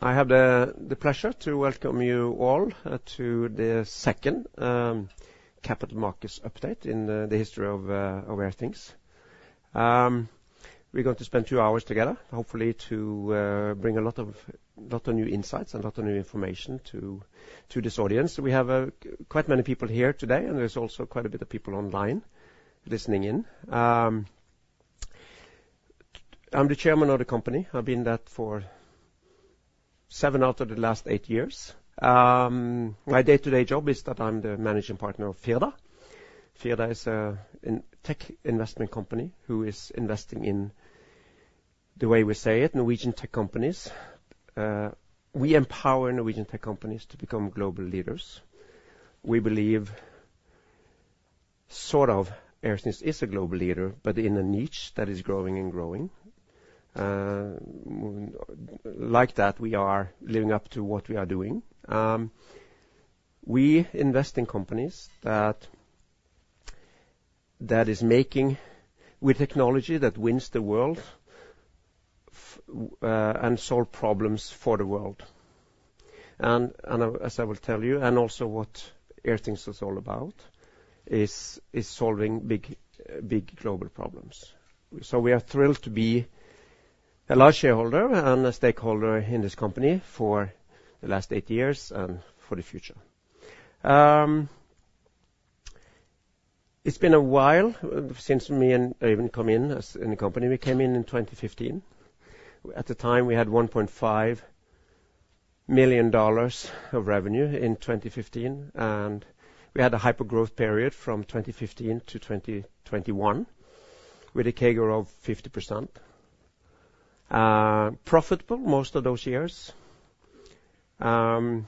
I have the pleasure to welcome you all to the second capital markets update in the history of Airthings. We're going to spend two hours together, hopefully to bring a lot of new insights and a lot of new information to this audience. We have quite many people here today, and there's also quite a bit of people online listening in. I'm the chairman of the company. I've been that for seven out of the last eight years. My day-to-day job is that I'm the Managing Partner of Firda. Firda is a tech investment company who is investing in, the way we say it, Norwegian tech companies. We empower Norwegian tech companies to become global leaders. We believe, sort of, Airthings is a global leader, but in a niche that is growing and growing. Like that, we are living up to what we are doing. We invest in companies that, that is making with technology that wins the world and solve problems for the world. And as I will tell you, and also what Airthings is all about, is solving big, big global problems. So we are thrilled to be a large shareholder and a stakeholder in this company for the last eight years and for the future. It's been a while since me and Øyvind come in as in the company. We came in in 2015. At the time, we had $1.5 million of revenue in 2015, and we had a hyper-growth period from 2015 to 2021, with a CAGR of 50%. Profitable most of those years. We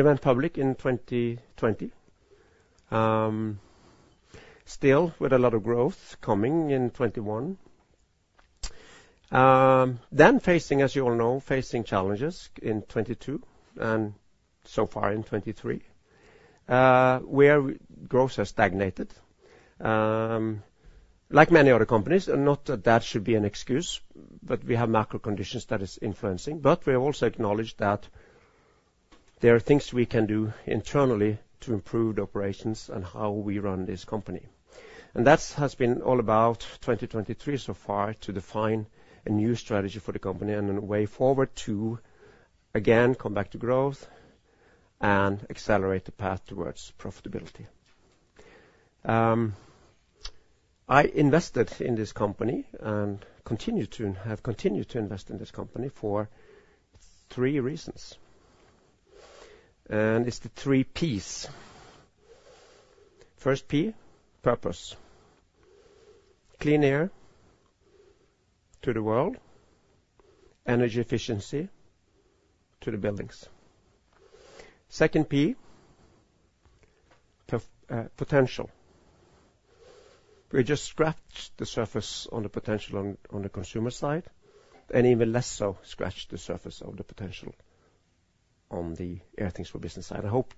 went public in 2020. Still with a lot of growth coming in 2021. Then facing, as you all know, facing challenges in 2022 and so far in 2023, where growth has stagnated, like many other companies, and not that that should be an excuse, but we have macro conditions that is influencing. But we also acknowledge that there are things we can do internally to improve the operations and how we run this company. And that has been all about 2023 so far, to define a new strategy for the company and a way forward to, again, come back to growth and accelerate the path towards profitability. I invested in this company and continue to have continued to invest in this company for three reasons, and it's the three Ps. First P, Purpose: clean air to the world, energy efficiency to the buildings. Second P, Potential. We just scratched the surface on the potential on, on the consumer side, and even less so, scratched the surface of the potential on the Airthings for Business side. I hope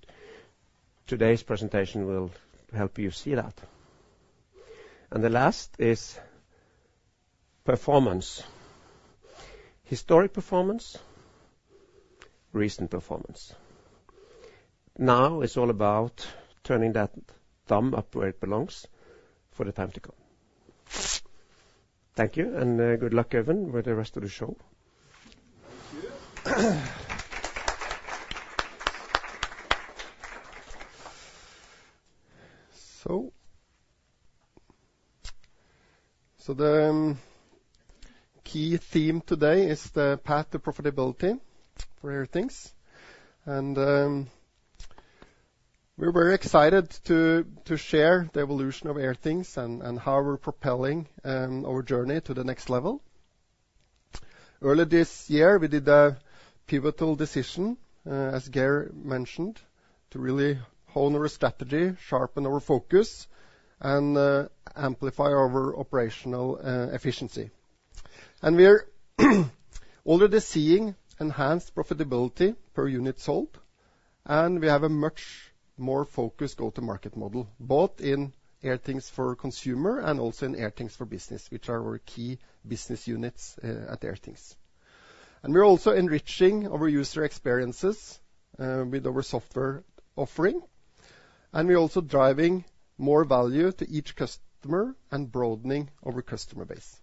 today's presentation will help you see that. And the last is Performance. Historic performance, recent performance. Now it's all about turning that thumb up where it belongs for the time to come. Thank you, and good luck, Øyvind with the rest of the show. Thank you. So, the key theme today is the path to profitability for Airthings. And we're very excited to share the evolution of Airthings and how we're propelling our journey to the next level. Earlier this year, we did a pivotal decision, as Geir mentioned, to really hone our strategy, sharpen our focus, and amplify our operational efficiency. And we are already seeing enhanced profitability per unit sold, and we have a much more focused go-to-market model, both in Airthings for Consumer and also in Airthings for Business, which are our key business units at Airthings. And we're also enriching our user experiences with our software offering, and we're also driving more value to each customer and broadening our customer base.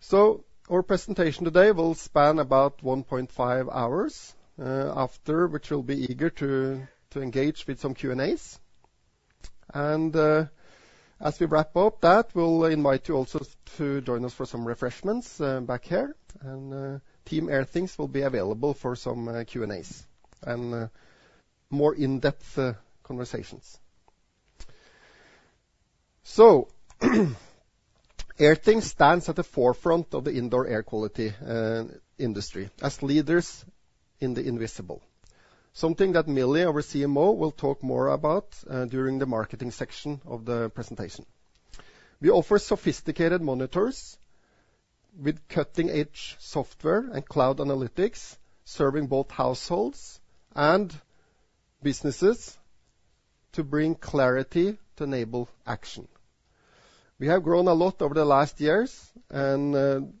So our presentation today will span about 1.5 hours, after which we'll be eager to, to engage with some Q&As. And, as we wrap up that, we'll invite you also to join us for some refreshments, back here, and, Team Airthings will be available for some, Q&As and, more in-depth, conversations. So, Airthings stands at the forefront of the indoor air quality, industry as leaders in the invisible. Something that Millie, our CMO, will talk more about, during the marketing section of the presentation. We offer sophisticated monitors with cutting-edge software and cloud analytics, serving both households and businesses to bring clarity to enable action. We have grown a lot over the last years, and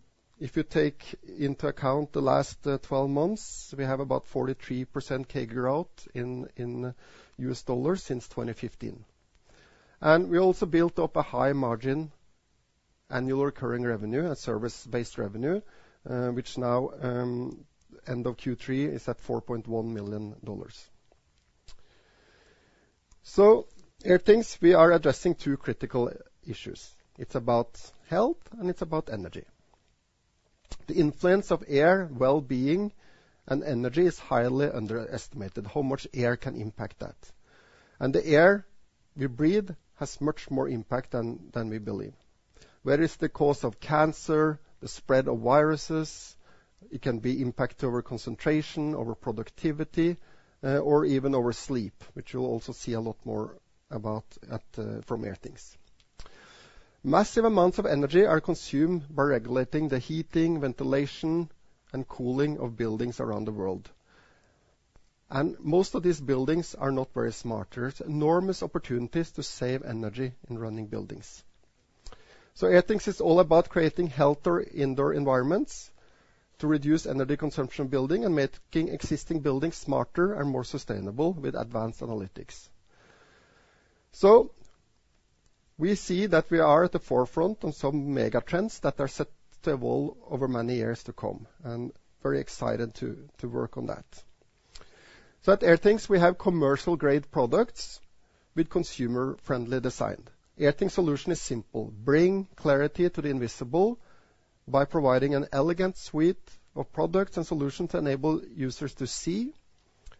if you take into account the last 12 months, we have about 43% CAGR in U.S. dollar since 2015. And we also built up a high margin, annual recurring revenue and service-based revenue, which now, end of Q3, is at $4.1 million. So at Airthings, we are addressing two critical issues: it's about health, and it's about energy. The influence of air, well-being, and energy is highly underestimated, how much air can impact that. And the air we breathe has much more impact than we believe. Whether it's the cause of cancer, the spread of viruses, it can be impact over concentration, over productivity, or even over sleep, which you'll also see a lot more about at, from Airthings. Massive amounts of energy are consumed by regulating the heating, ventilation, and cooling of buildings around the world. Most of these buildings are not very smart. Enormous opportunities to save energy in running buildings. Airthings is all about creating healthier indoor environments to reduce energy consumption building and making existing buildings smarter and more sustainable with advanced analytics. We see that we are at the forefront on some mega trends that are set to evolve over many years to come, and very excited to, to work on that. At Airthings, we have commercial-grade products with consumer-friendly design. Airthings solution is simple: bring clarity to the invisible by providing an elegant suite of products and solutions to enable users to see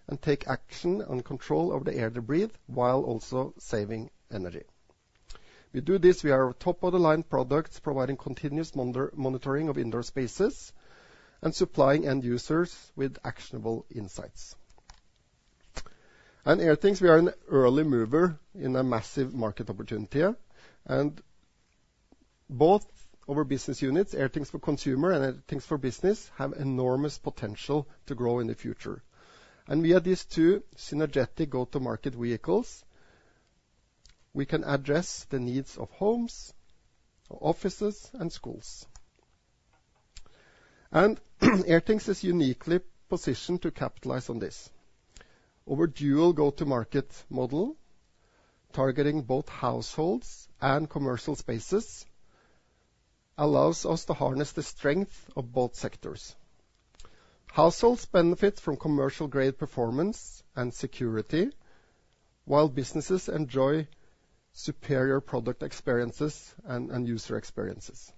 and take action and control of the air they breathe, while also saving energy. We do this, we are top-of-the-line products, providing continuous monitoring of indoor spaces and supplying end users with actionable insights. At Airthings, we are an early mover in a massive market opportunity, and both our business units, Airthings for Consumer and Airthings for Business, have enormous potential to grow in the future. We have these two synergetic go-to-market vehicles, we can address the needs of homes, offices, and schools. Airthings is uniquely positioned to capitalize on this. Our dual go-to-market model, targeting both households and commercial spaces, allows us to harness the strength of both sectors. Households benefit from commercial-grade performance and security, while businesses enjoy superior product experiences and user experiences.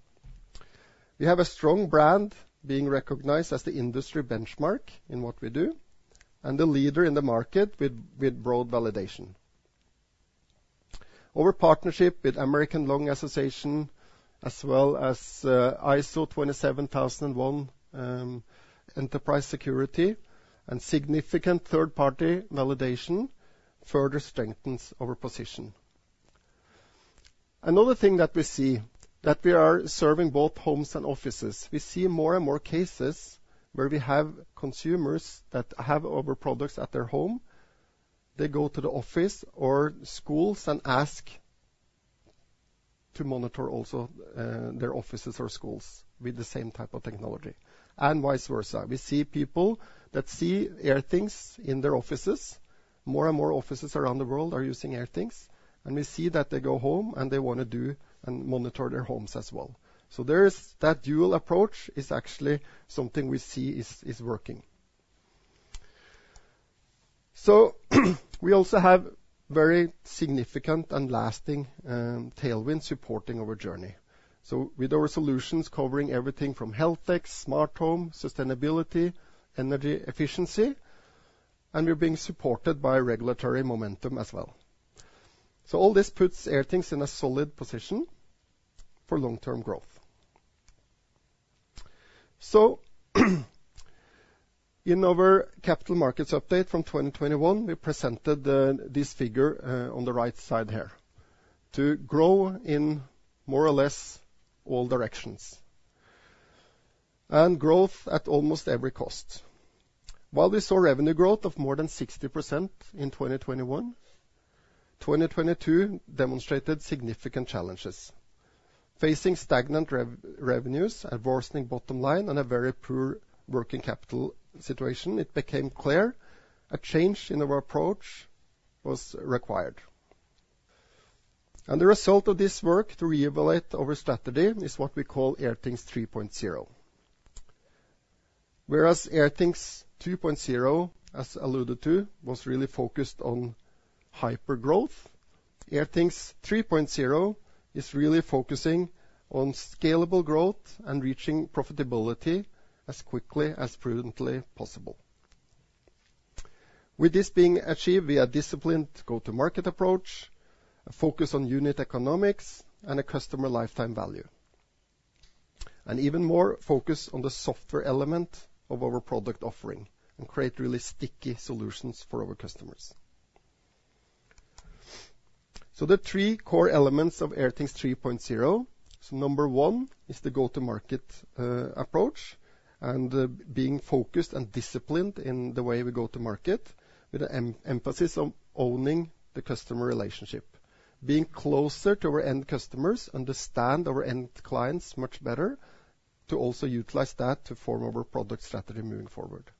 We have a strong brand being recognized as the industry benchmark in what we do, and a leader in the market with broad validation. Our partnership with American Lung Association, as well as, ISO 27001, enterprise security and significant third-party validation, further strengthens our position. Another thing that we see, that we are serving both homes and offices. We see more and more cases where we have consumers that have our products at their home, they go to the office or schools and ask to monitor also, their offices or schools with the same type of technology, and vice versa. We see people that see Airthings in their offices. More and more offices around the world are using Airthings, and we see that they go home, and they wanna do and monitor their homes as well. So there is that dual approach is actually something we see is, is working. So, we also have very significant and lasting, tailwinds supporting our journey. So with our solutions covering everything from health tech, smart home, sustainability, energy efficiency, and we're being supported by regulatory momentum as well. So all this puts Airthings in a solid position for long-term growth. So, in our capital markets update from 2021, we presented this figure on the right side here, to grow in more or less all directions, and growth at almost every cost. While we saw revenue growth of more than 60% in 2021, 2022 demonstrated significant challenges. Facing stagnant revenues, a worsening bottom line, and a very poor working capital situation, it became clear a change in our approach was required. And the result of this work to reevaluate our strategy is what we call Airthings 3.0. Whereas Airthings 2.0, as alluded to, was really focused on hyper growth, Airthings 3.0 is really focusing on scalable growth and reaching profitability as quickly, as prudently possible. With this being achieved, we have disciplined go-to-market approach, a focus on unit economics, and a customer lifetime value. And even more focus on the software element of our product offering, and create really sticky solutions for our customers... So the three core elements of Airthings 3.0. Number one is the go-to-market approach and being focused and disciplined in the way we go to market, with an emphasis on owning the customer relationship. Being closer to our end customers, understand our end clients much better, to also utilize that to form our product strategy moving forward.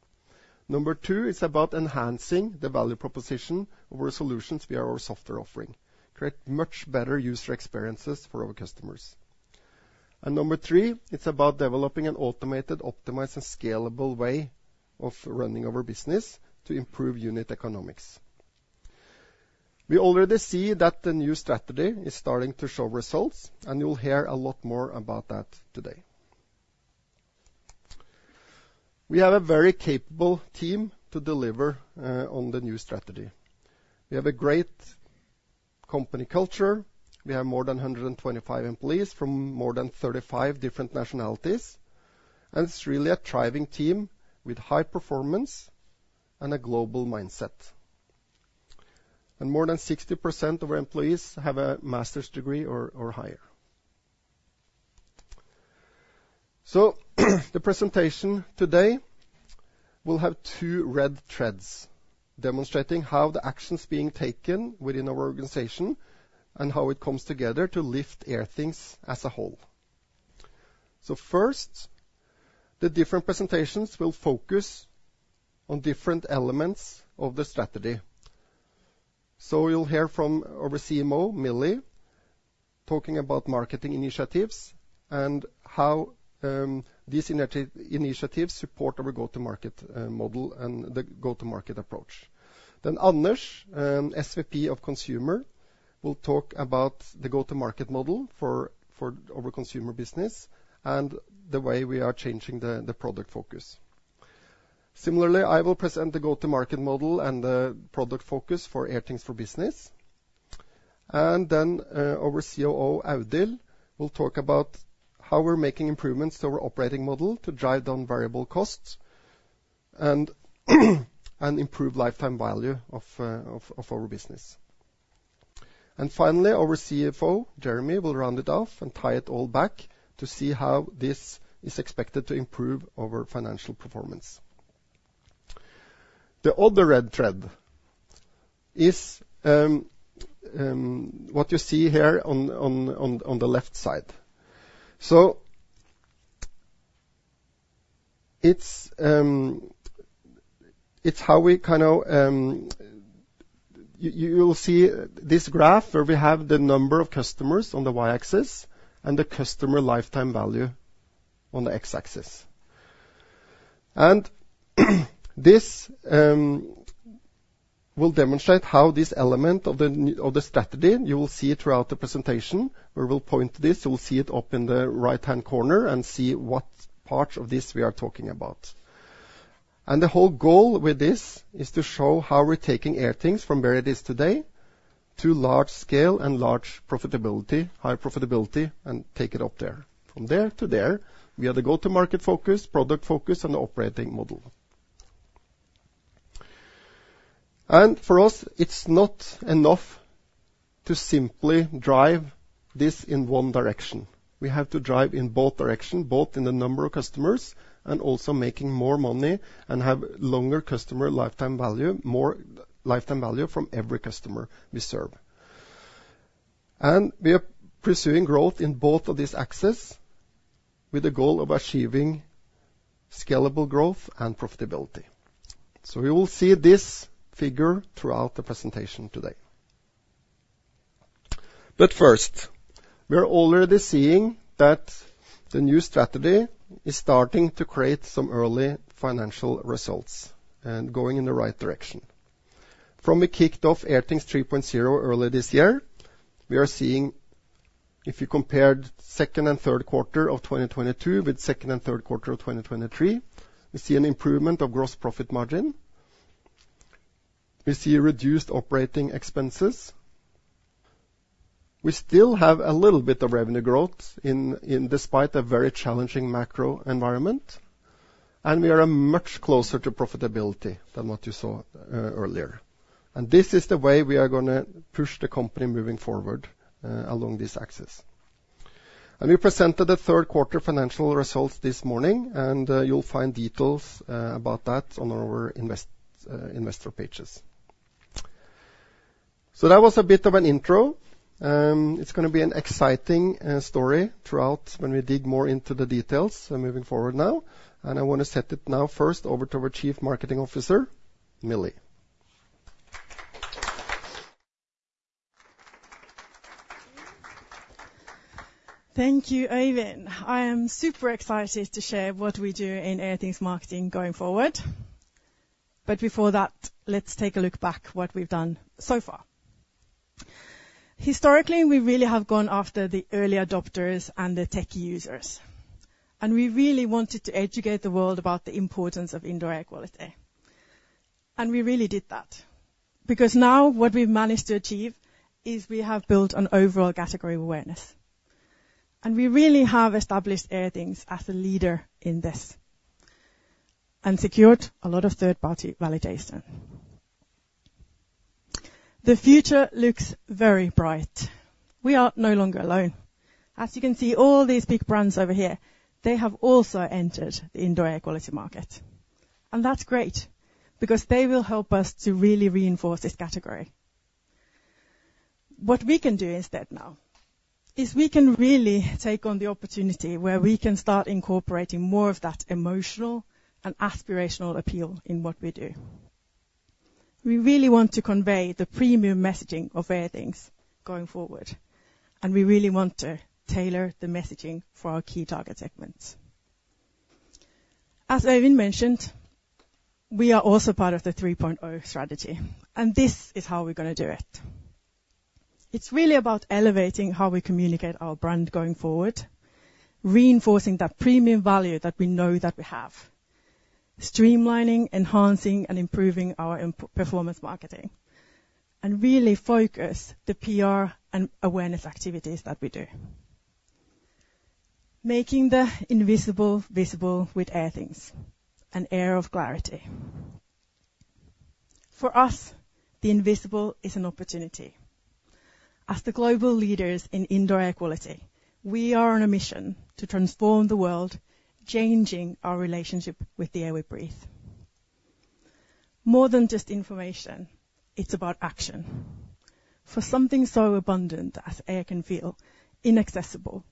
Number two is about enhancing the value proposition of our solutions via our software offering, create much better user experiences for our customers. And number three, it's about developing an automated, optimized, and scalable way of running our business to improve unit economics. We already see that the new strategy is starting to show results, and you'll hear a lot more about that today. We have a very capable team to deliver on the new strategy. We have a great company culture. We have more than 125 employees from more than 35 different nationalities, and it's really a thriving team with high performance and a global mindset. And more than 60% of our employees have a master's degree or higher. So the presentation today will have two red threads, demonstrating how the actions being taken within our organization and how it comes together to lift Airthings as a whole. So first, the different presentations will focus on different elements of the strategy. So you'll hear from our CMO, Millie, talking about marketing initiatives and how these initiatives support our go-to-market model and the go-to-market approach. Then Anders, SVP of Consumer, will talk about the go-to-market model for our consumer business and the way we are changing the product focus. Similarly, I will present the go-to-market model and the product focus for Airthings for Business. And then our COO, Audhild, will talk about how we're making improvements to our operating model to drive down variable costs and improve lifetime value of our business. And finally, our CFO, Jeremy, will round it off and tie it all back to see how this is expected to improve our financial performance. The other red thread is what you see here on the left side. So it's how we kind of... You'll see this graph, where we have the number of customers on the Y-axis and the customer lifetime value on the X-axis. And this will demonstrate how this element of the strategy, you will see it throughout the presentation, where we'll point to this. You'll see it up in the right-hand corner and see what part of this we are talking about. And the whole goal with this is to show how we're taking Airthings from where it is today, to large scale and large profitability, high profitability, and take it up there. From there to there, we have the go-to-market focus, product focus, and the operating model. And for us, it's not enough to simply drive this in one direction. We have to drive in both directions, both in the number of customers and also making more money and have longer customer lifetime value, more lifetime value from every customer we serve. And we are pursuing growth in both of these axes, with the goal of achieving scalable growth and profitability. So we will see this figure throughout the presentation today. But first, we are already seeing that the new strategy is starting to create some early financial results, and going in the right direction. From we kicked off Airthings 3.0 early this year, we are seeing, if you compare second and third quarter of 2022 with second and third quarter of 2023, we see an improvement of gross profit margin. We see reduced operating expenses. We still have a little bit of revenue growth in despite a very challenging macro environment, and we are much closer to profitability than what you saw earlier. This is the way we are gonna push the company moving forward along this axis. We presented the third quarter financial results this morning, and you'll find details about that on our investor pages. That was a bit of an intro. It's gonna be an exciting story throughout when we dig more into the details. Moving forward now, I want to set it now first over to our Chief Marketing Officer, Millie. Thank you, Øyvind. I am super excited to share what we do in Airthings marketing going forward. But before that, let's take a look back what we've done so far. Historically, we really have gone after the early adopters and the tech users, and we really wanted to educate the world about the importance of indoor air quality. And we really did that, because now what we've managed to achieve is we have built an overall category awareness, and we really have established Airthings as a leader in this and secured a lot of third-party validation. The future looks very bright. We are no longer alone. As you can see, all these big brands over here, they have also entered the indoor air quality market, and that's great because they will help us to really reinforce this category. What we can do instead now is we can really take on the opportunity where we can start incorporating more of that emotional and aspirational appeal in what we do. We really want to convey the premium messaging of Airthings going forward, and we really want to tailor the messaging for our key target segments. As Øyvind mentioned, we are also part of the 3.0 strategy, and this is how we're gonna do it. It's really about elevating how we communicate our brand going forward, reinforcing that premium value that we know that we have. Streamlining, enhancing, and improving our performance marketing, and really focus the PR and awareness activities that we do. Making the invisible visible with Airthings, an air of clarity. For us, the invisible is an opportunity. As the global leaders in indoor air quality, we are on a mission to transform the world, changing our relationship with the air we breathe. More than just information, it's about action. For something so abundant as air can feel inaccessible,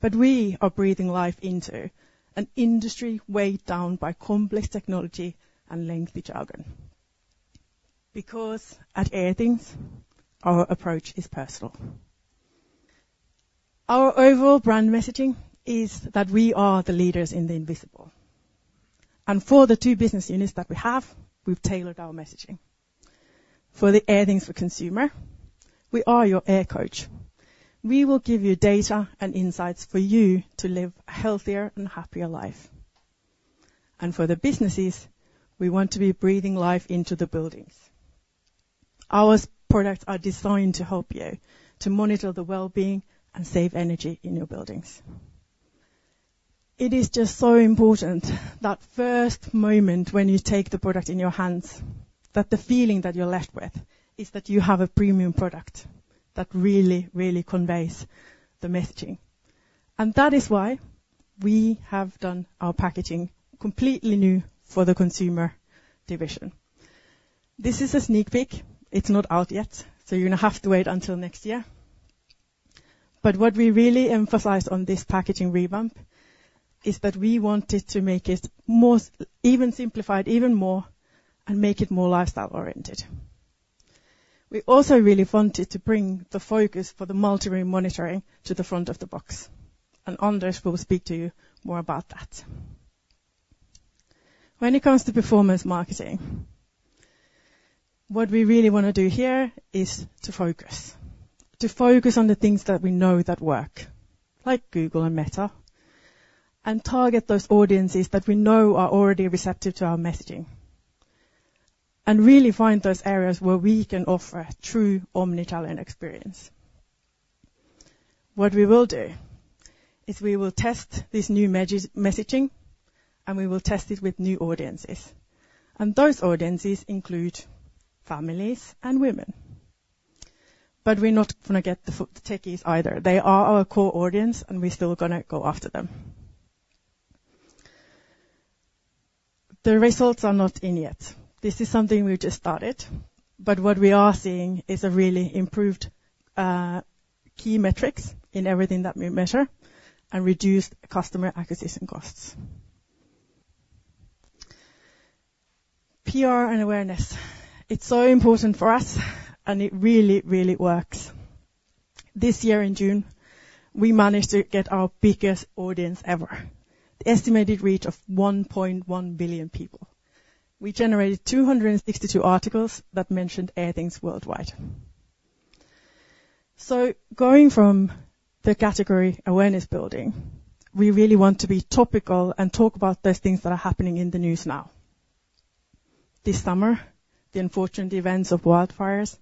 but we are breathing life into an industry weighed down by complex technology and lengthy jargon. Because at Airthings, our approach is personal. Our overall brand messaging is that we are the leaders in the invisible, and for the two business units that we have, we've tailored our messaging. For the Airthings for Consumer, we are your air coach. We will give you data and insights for you to live a healthier and happier life. For the businesses, we want to be breathing life into the buildings. Our products are designed to help you to monitor the well-being and save energy in your buildings. It is just so important, that first moment when you take the product in your hands, that the feeling that you're left with is that you have a premium product that really, really conveys the messaging. And that is why we have done our packaging completely new for the consumer division. This is a sneak peek. It's not out yet, so you're gonna have to wait until next year. But what we really emphasized on this packaging revamp is that we wanted to make it more, even simplified even more and make it more lifestyle-oriented. We also really wanted to bring the focus for the multi-room monitoring to the front of the box, and Anders will speak to you more about that. When it comes to performance marketing, what we really wanna do here is to focus. To focus on the things that we know that work, like Google and Meta, and target those audiences that we know are already receptive to our messaging, and really find those areas where we can offer a true omnichannel experience. What we will do is we will test this new messaging, and we will test it with new audiences, and those audiences include families and women. But we're not gonna forget the techies either. They are our core audience, and we're still gonna go after them. The results are not in yet. This is something we've just started, but what we are seeing is a really improved key metrics in everything that we measure and reduced customer acquisition costs. PR and awareness, it's so important for us, and it really, really works. This year, in June, we managed to get our biggest audience ever. The estimated reach of 1.1 billion people. We generated 262 articles that mentioned Airthings worldwide. So going from the category awareness building, we really want to be topical and talk about those things that are happening in the news now. This summer, the unfortunate events of wildfires,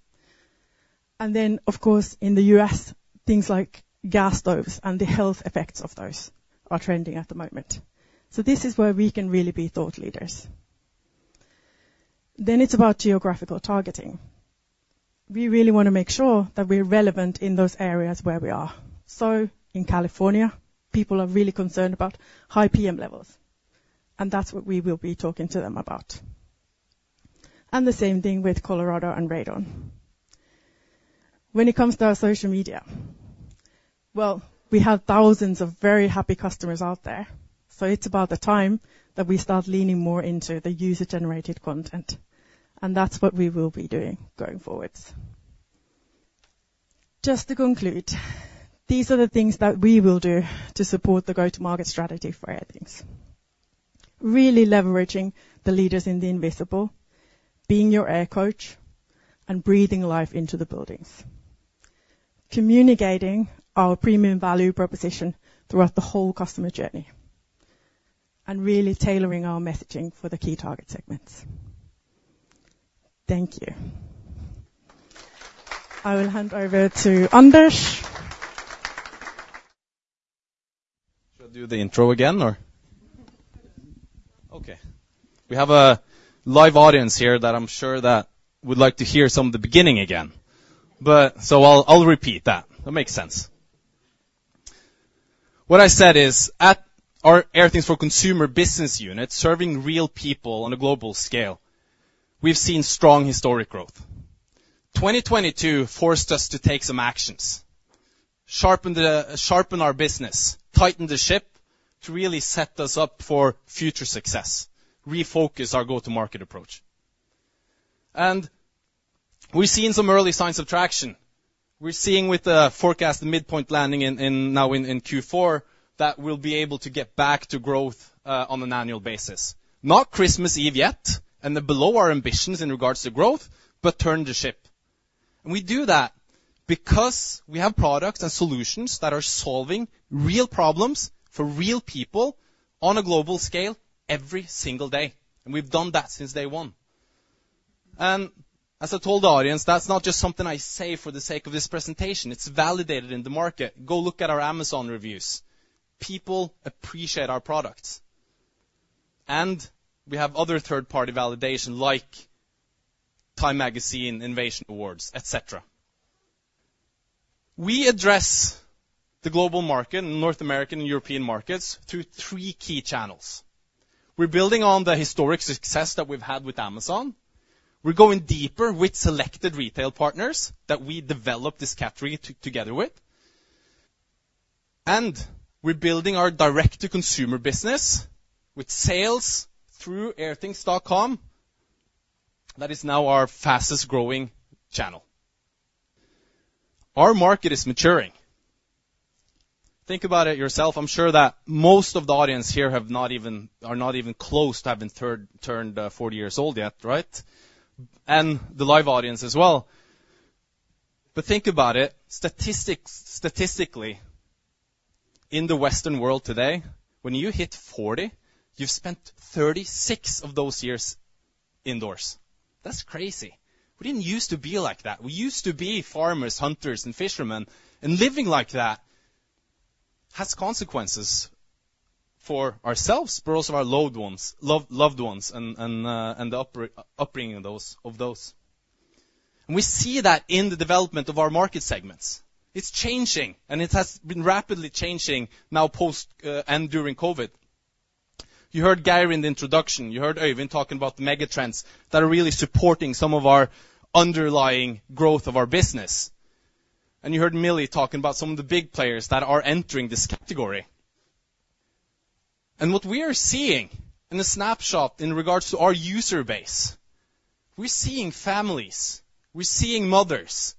and then, of course, in the U.S., things like gas stoves and the health effects of those are trending at the moment. So this is where we can really be thought leaders. Then it's about geographical targeting. We really wanna make sure that we're relevant in those areas where we are. So in California, people are really concerned about high PM levels, and that's what we will be talking to them about. And the same thing with Colorado and radon. When it comes to our social media, well, we have thousands of very happy customers out there, so it's about the time that we start leaning more into the user-generated content, and that's what we will be doing going forward. Just to conclude, these are the things that we will do to support the go-to-market strategy for Airthings. Really leveraging the leaders in the invisible, being your air coach, and breathing life into the buildings. Communicating our premium value proposition throughout the whole customer journey and really tailoring our messaging for the key target segments. Thank you. I will hand over to Anders. Should I do the intro again, or? Okay, we have a live audience here that I'm sure that would like to hear some of the beginning again, but so I'll repeat that. That makes sense. What I said is, at our Airthings for Consumer Business Unit, serving real people on a global scale, we've seen strong historic growth. 2022 forced us to take some actions, sharpen our business, tighten the ship to really set us up for future success, refocus our go-to-market approach. And we've seen some early signs of traction. We're seeing with the forecast, the midpoint landing in now in Q4, that we'll be able to get back to growth on an annual basis. Not Christmas Eve yet, and they're below our ambitions in regards to growth, but turn the ship. And we do that because we have products and solutions that are solving real problems for real people on a global scale every single day, and we've done that since day one. And as I told the audience, that's not just something I say for the sake of this presentation. It's validated in the market. Go look at our Amazon reviews. People appreciate our products. And we have other third-party validation, like TIME Magazine, Innovation Awards, et cetera. We address the global market, North American and European markets, through three key channels. We're building on the historic success that we've had with Amazon. We're going deeper with selected retail partners that we developed this category together with. And we're building our direct-to-consumer business, with sales through Airthings.com. That is now our fastest-growing channel. Our market is maturing. Think about it yourself. I'm sure that most of the audience here are not even close to having turned 40 years old yet, right? And the live audience as well. But think about it. Statistically, in the Western world today, when you hit 40, you've spent 36 of those years indoors. That's crazy. We didn't use to be like that. We used to be farmers, hunters, and fishermen, and living like that has consequences for ourselves, but also our loved ones and the upbringing of those. And we see that in the development of our market segments. It's changing, and it has been rapidly changing now post and during COVID. You heard Geir in the introduction, you heard Øyvind talking about the mega trends that are really supporting some of our underlying growth of our business. You heard Millie talking about some of the big players that are entering this category. What we are seeing in a snapshot in regards to our user base, we're seeing families, we're seeing mothers,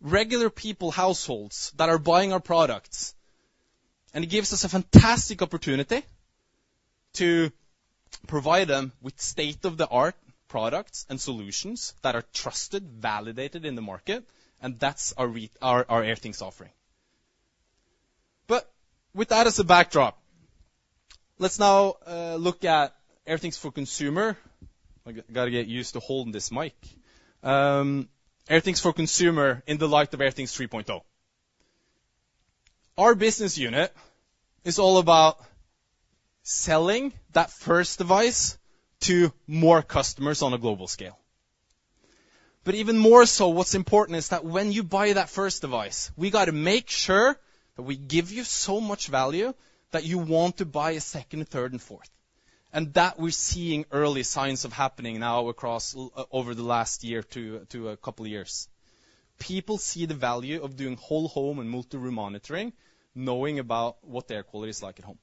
regular people, households, that are buying our products. It gives us a fantastic opportunity to provide them with state-of-the-art products and solutions that are trusted, validated in the market, and that's our Airthings offering. With that as a backdrop, let's now look at Airthings for Consumer. I gotta get used to holding this mic. Airthings for Consumer in the light of Airthings 3.0. Our business unit is all about selling that first device to more customers on a global scale. But even more so, what's important is that when you buy that first device, we got to make sure that we give you so much value that you want to buy a second, third, and fourth. And that we're seeing early signs of happening now across over the last year to a couple of years. People see the value of doing whole home and multi-room monitoring, knowing about what the air quality is like at home.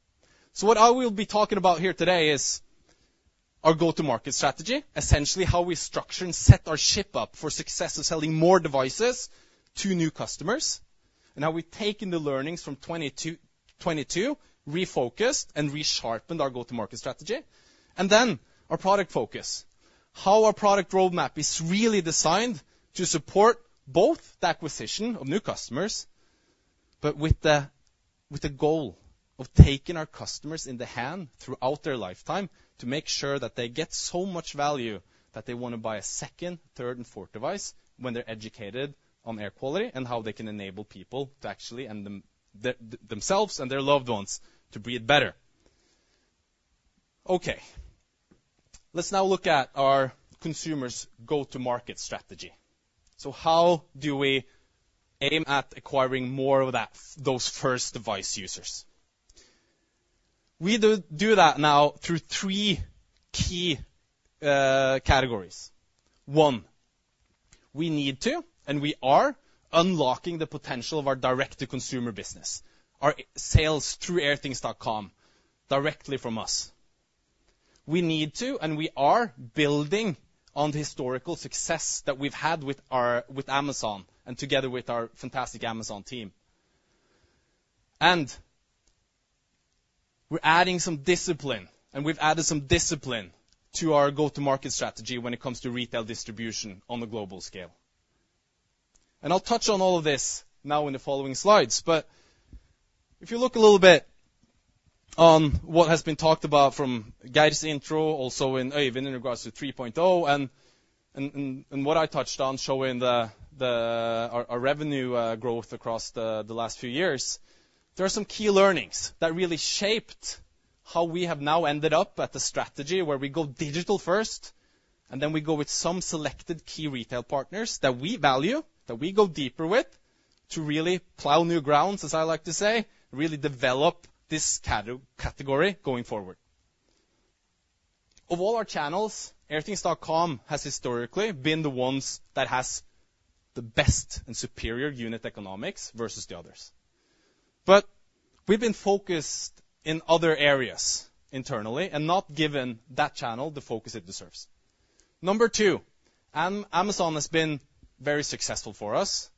So what I will be talking about here today is our go-to-market strategy, essentially how we structure and set our ship up for success in selling more devices to new customers, and how we've taken the learnings from 2020 to 2022, refocused and resharpened our go-to-market strategy. Then our product focus, how our product roadmap is really designed to support both the acquisition of new customers, but with the goal of taking our customers in the hand throughout their lifetime to make sure that they get so much value that they want to buy a second, third, and fourth device when they're educated on air quality and how they can enable people to actually themselves and their loved ones to breathe better. Okay, let's now look at our consumers' go-to-market strategy. So how do we aim at acquiring more of that, those first device users? We do that now through three key categories. One, we need to, and we are unlocking the potential of our direct-to-consumer business, our sales through Airthings.com, directly from us. We need to, and we are building on the historical success that we've had with our, with Amazon and together with our fantastic Amazon team. And we're adding some discipline, and we've added some discipline to our go-to-market strategy when it comes to retail distribution on a global scale. And I'll touch on all of this now in the following slides, but if you look a little bit, what has been talked about from Geir's intro, also in even in regards to 3.0, and what I touched on, showing our revenue growth across the last few years. There are some key learnings that really shaped how we have now ended up at the strategy where we go digital first, and then we go with some selected key retail partners that we value, that we go deeper with, to really plow new grounds, as I like to say, really develop this category going forward. Of all our channels, Airthings.com has historically been the ones that has the best and superior unit economics versus the others. But we've been focused in other areas internally and not given that channel the focus it deserves. Number two, Amazon has been very successful for us,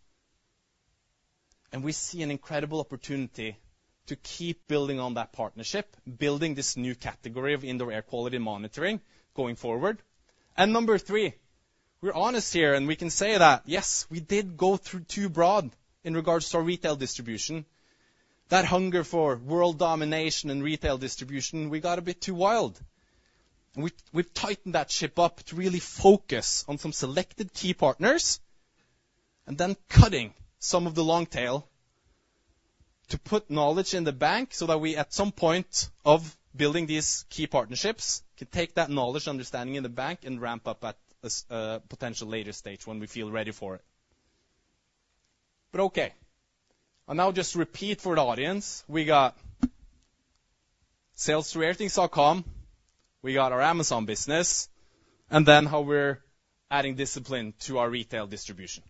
and we see an incredible opportunity to keep building on that partnership, building this new category of indoor air quality monitoring going forward. And number three, we're honest here, and we can say that, yes, we did go through too broad in regards to our retail distribution. That hunger for world domination and retail distribution, we got a bit too wild. We've tightened that ship up to really focus on some selected key partners and then cutting some of the long tail to put knowledge in the bank, so that we, at some point of building these key partnerships, can take that knowledge, understanding in the bank and ramp up at a potential later stage when we feel ready for it. But okay, I'll now just repeat for the audience. We got sales through Airthings.com, we got our Amazon business, and then how we're adding discipline to our retail distribution.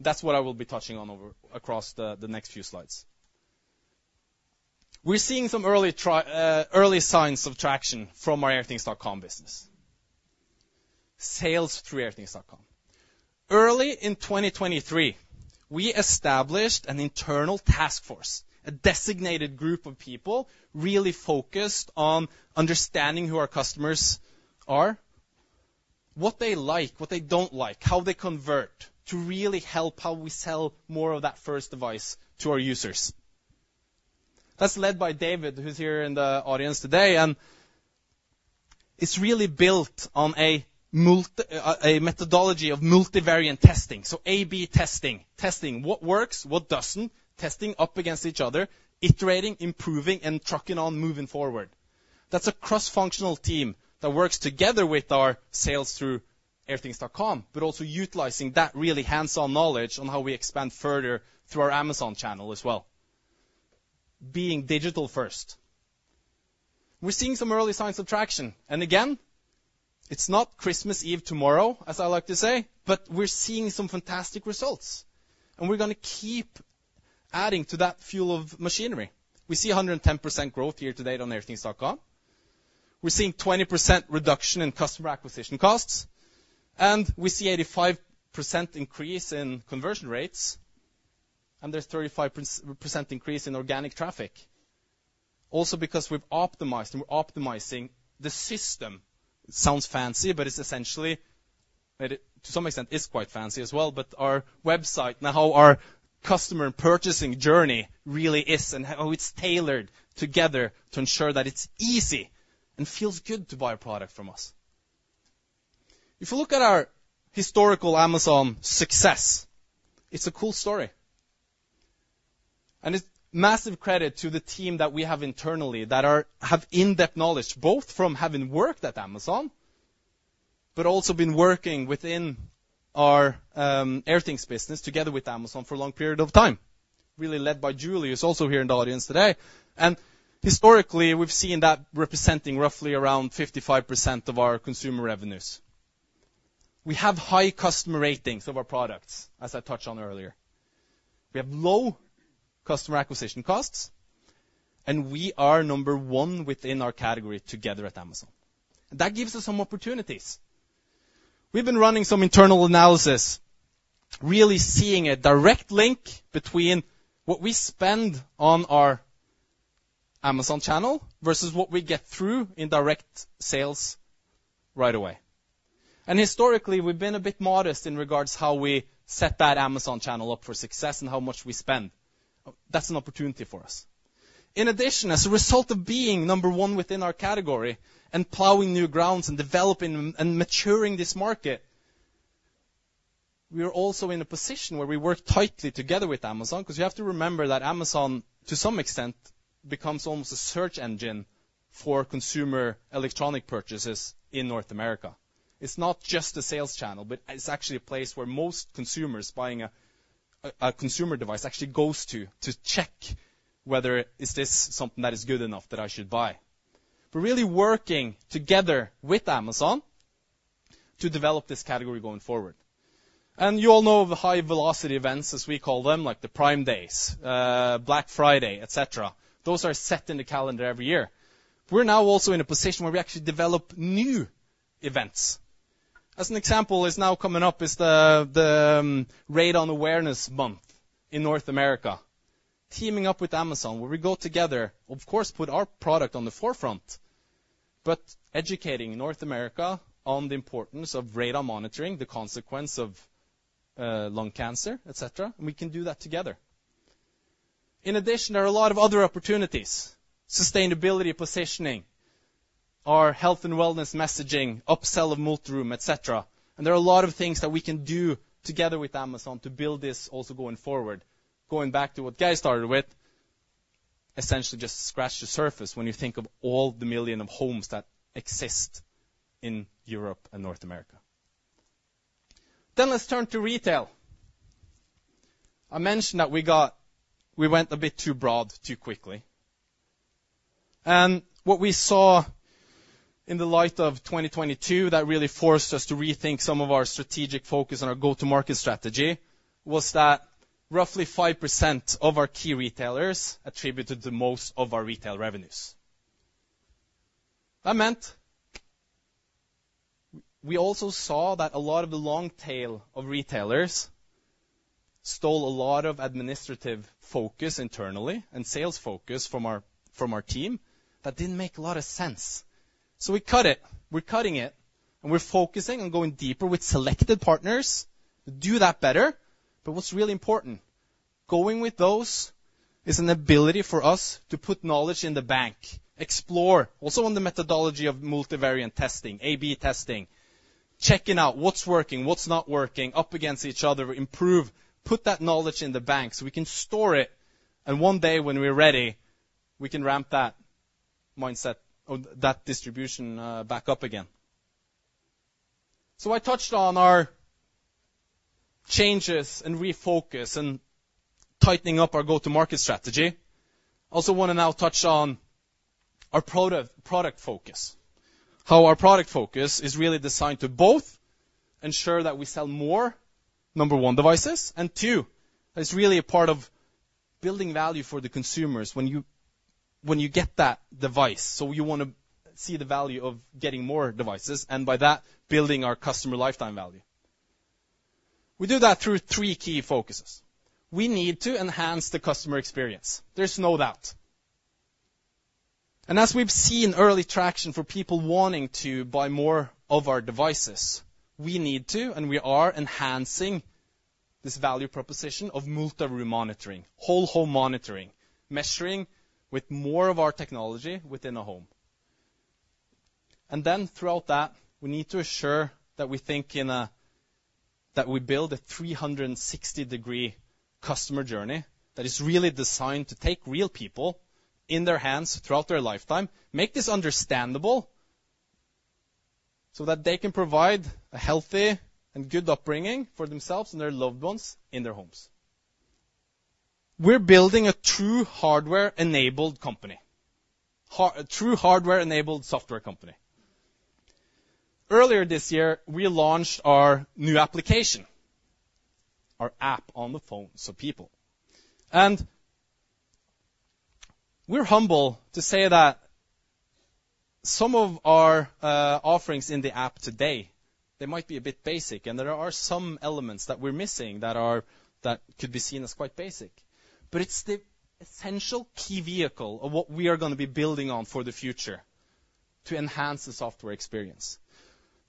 That's what I will be touching on over across the next few slides. We're seeing some early signs of traction from our Airthings.com business. Sales through Airthings.com. Early in 2023, we established an internal task force, a designated group of people, really focused on understanding who our customers are, what they like, what they don't like, how they convert, to really help how we sell more of that first device to our users. That's led by David, who's here in the audience today, and it's really built on a methodology of multivariate testing. So A/B testing, testing what works, what doesn't, testing up against each other, iterating, improving, and trucking on moving forward. That's a cross-functional team that works together with our sales through Airthings.com, but also utilizing that really hands-on knowledge on how we expand further through our Amazon channel as well. Being digital first. We're seeing some early signs of traction, and again, it's not Christmas Eve tomorrow, as I like to say, but we're seeing some fantastic results, and we're gonna keep adding to that fuel of machinery. We see 110% growth year to date on Airthings.com. We're seeing 20% reduction in customer acquisition costs, and we see 85% increase in conversion rates, and there's 35% increase in organic traffic. Also, because we've optimized and we're optimizing the system, it sounds fancy, but it's essentially, to some extent, is quite fancy as well, but our website and how our customer purchasing journey really is and how it's tailored together to ensure that it's easy and feels good to buy a product from us. If you look at our historical Amazon success, it's a cool story. It's massive credit to the team that we have internally have in-depth knowledge, both from having worked at Amazon, but also been working within our Airthings business together with Amazon for a long period of time, really led by Julius, also here in the audience today. Historically, we've seen that representing roughly around 55% of our consumer revenues. We have high customer ratings of our products, as I touched on earlier. We have low customer acquisition costs, and we are number one within our category together at Amazon. That gives us some opportunities. We've been running some internal analysis, really seeing a direct link between what we spend on our Amazon channel versus what we get through in direct sales right away. Historically, we've been a bit modest in regards how we set that Amazon channel up for success and how much we spend. That's an opportunity for us. In addition, as a result of being number one within our category and plowing new grounds and developing and, and maturing this market, we are also in a position where we work tightly together with Amazon, because you have to remember that Amazon, to some extent, becomes almost a search engine for consumer electronic purchases in North America. It's not just a sales channel, but it's actually a place where most consumers buying a, a consumer device actually goes to, to check whether is this something that is good enough that I should buy. We're really working together with Amazon to develop this category going forward. You all know the high velocity events, as we call them, like the Prime Days, Black Friday, et cetera. Those are set in the calendar every year. We're now also in a position where we actually develop new events. As an example, now coming up is the Radon Awareness Month in North America, teaming up with Amazon, where we go together, of course, put our product on the forefront, but educating North America on the importance of radon monitoring, the consequence of lung cancer, et cetera, and we can do that together. In addition, there are a lot of other opportunities: sustainability, positioning, our health and wellness messaging, upsell of multi-room, et cetera. There are a lot of things that we can do together with Amazon to build this also going forward. Going back to what Geir started with, essentially just scratch the surface when you think of all the millions of homes that exist in Europe and North America. Then let's turn to retail. I mentioned that we went a bit too broad, too quickly. And what we saw in the light of 2022, that really forced us to rethink some of our strategic focus and our go-to-market strategy, was that roughly 5% of our key retailers attributed the most of our retail revenues. That meant we also saw that a lot of the long tail of retailers stole a lot of administrative focus internally and sales focus from our team. That didn't make a lot of sense. So we cut it. We're cutting it, and we're focusing on going deeper with selected partners to do that better. But what's really important, going with those is an ability for us to put knowledge in the bank, explore also on the methodology of multivariate testing, A/B testing, checking out what's working, what's not working, up against each other, improve, put that knowledge in the bank so we can store it, and one day when we're ready, we can ramp that mindset or that distribution, back up again. So I touched on our changes and refocus and tightening up our go-to-market strategy. I also want to now touch on our product, product focus. How our product focus is really designed to both ensure that we sell more, number one, devices, and two, it's really a part of building value for the consumers when you, when you get that device. So you want to see the value of getting more devices, and by that, building our customer lifetime value. We do that through three key focuses. We need to enhance the customer experience. There's no doubt. And as we've seen early traction for people wanting to buy more of our devices, we need to, and we are enhancing this value proposition of multi-room monitoring, whole home monitoring, measuring with more of our technology within a home. And then throughout that, we need to assure that we build a 360-degree customer journey that is really designed to take real people in their hands throughout their lifetime, make this understandable, so that they can provide a healthy and good upbringing for themselves and their loved ones in their homes. We're building a true hardware-enabled company, a true hardware-enabled software company. Earlier this year, we launched our new application, our app on the phones of people. And we're humble to say that some of our offerings in the app today, they might be a bit basic, and there are some elements that we're missing that could be seen as quite basic. But it's the essential key vehicle of what we are gonna be building on for the future to enhance the software experience.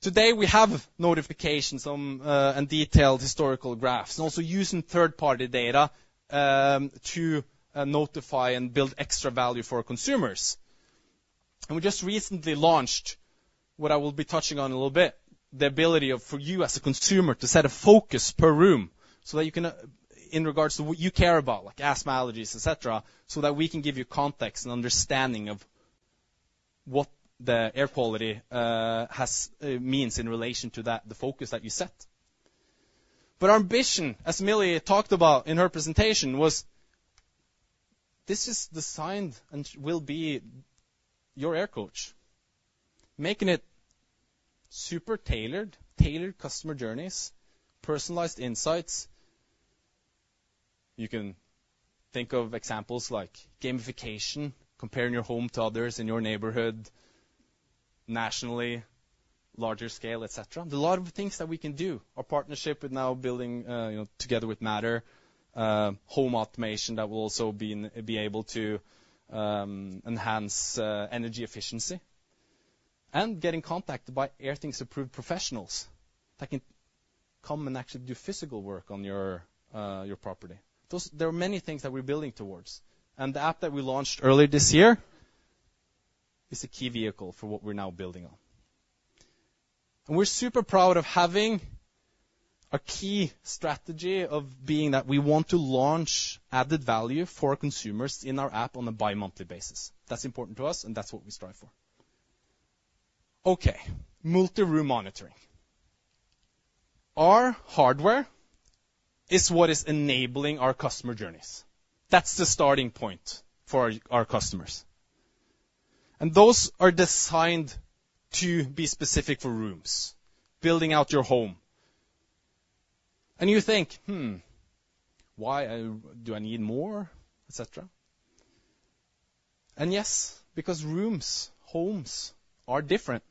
Today, we have notifications on, and detailed historical graphs, and also using third-party data to notify and build extra value for consumers. And we just recently launched, what I will be touching on a little bit, the ability of, for you as a consumer, to set a focus per room so that you can, in regards to what you care about, like asthma, allergies, et cetera, so that we can give you context and understanding of what the air quality has means in relation to that, the focus that you set. But our ambition, as Millie talked about in her presentation, was this is designed and will be your air coach, making it super tailored, tailored customer journeys, personalized insights. You can think of examples like gamification, comparing your home to others in your neighborhood, nationally, larger scale, et cetera. There are a lot of things that we can do. Our partnership with now building, you know, together with Matter, home automation, that will also be able to enhance energy efficiency and getting contacted by Airthings approved professionals that can come and actually do physical work on your, your property. There are many things that we're building towards, and the app that we launched earlier this year is a key vehicle for what we're now building on. And we're super proud of having a key strategy of being that we want to launch added value for consumers in our app on a bimonthly basis. That's important to us, and that's what we strive for. Okay, multi-room monitoring. Our hardware is what is enabling our customer journeys. That's the starting point for our, our customers. And those are designed to be specific for rooms, building out your home. And you think, "Hmm, why? Do I need more?" Et cetera. And yes, because rooms, homes are different.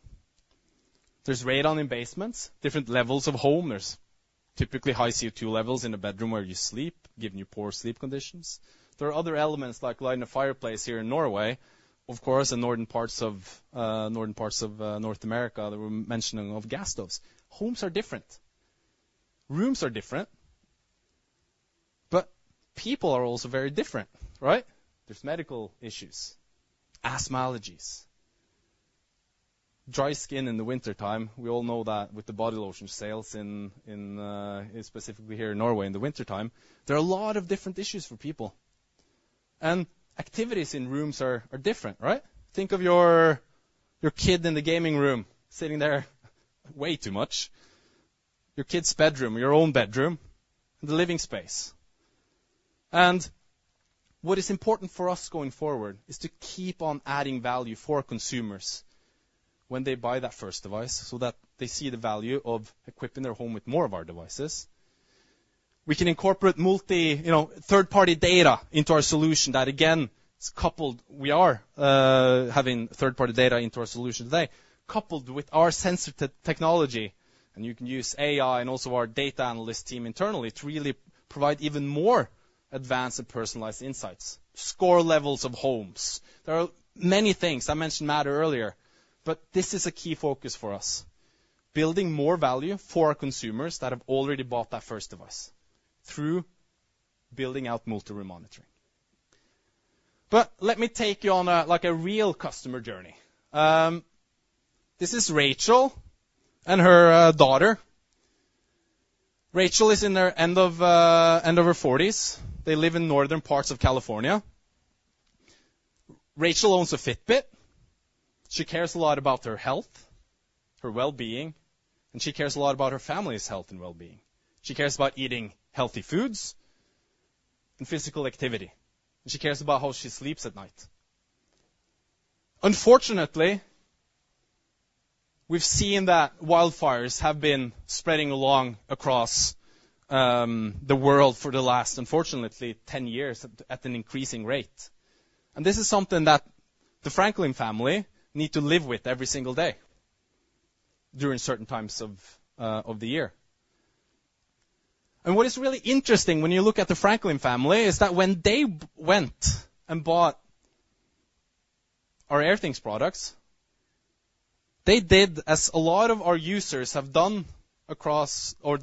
There's radon in basements, different levels of home. There's typically high CO2 levels in a bedroom where you sleep, giving you poor sleep conditions. There are other elements, like lighting a fireplace here in Norway, of course, in northern parts of North America, there were mentioning of gas stoves. Homes are different. Rooms are different, but people are also very different, right? There's medical issues, asthma allergies, dry skin in the wintertime. We all know that with the body lotion sales in specifically here in Norway in the wintertime, there are a lot of different issues for people. And activities in rooms are different, right? Think of your kid in the gaming room, sitting there way too much, your kid's bedroom, your own bedroom, the living space. What is important for us going forward is to keep on adding value for our consumers when they buy that first device, so that they see the value of equipping their home with more of our devices. We can incorporate you know, third-party data into our solution that, again, is coupled. We are having third-party data into our solution today, coupled with our sensor technology, and you can use AI and also our data analyst team internally to really provide even more advanced and personalized insights, score levels of homes. There are many things, I mentioned Matter earlier, but this is a key focus for us, building more value for our consumers that have already bought that first device through building out multi-room monitoring. But let me take you on a, like, a real customer journey. This is Rachel and her daughter. Rachel is in her end of her 40s. They live in northern parts of California. Rachel owns a Fitbit. She cares a lot about her health, her well-being, and she cares a lot about her family's health and well-being. She cares about eating healthy foods and physical activity, and she cares about how she sleeps at night. Unfortunately, we've seen that wildfires have been spreading along, across the world for the last, unfortunately, 10 years at an increasing rate. And this is something that the Franklin family need to live with every single day during certain times of the year. What is really interesting when you look at the Franklin family is that when they went and bought our Airthings products, they did, as a lot of our users have done over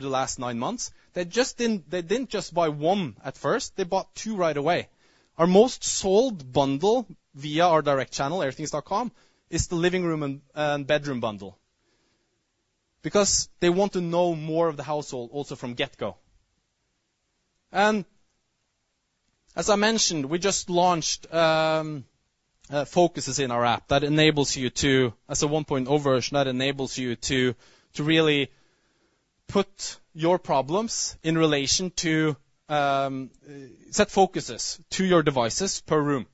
the last nine months, they just didn't just buy one at first, they bought two right away. Our most sold bundle via our direct channel, Airthings.com, is the living room and bedroom bundle. Because they want to know more of the household, also from get-go. As I mentioned, we just launched focuses in our app that enables you to... As a 1.0 version, that enables you to, to really put your problems in relation to, set focuses to your devices per room,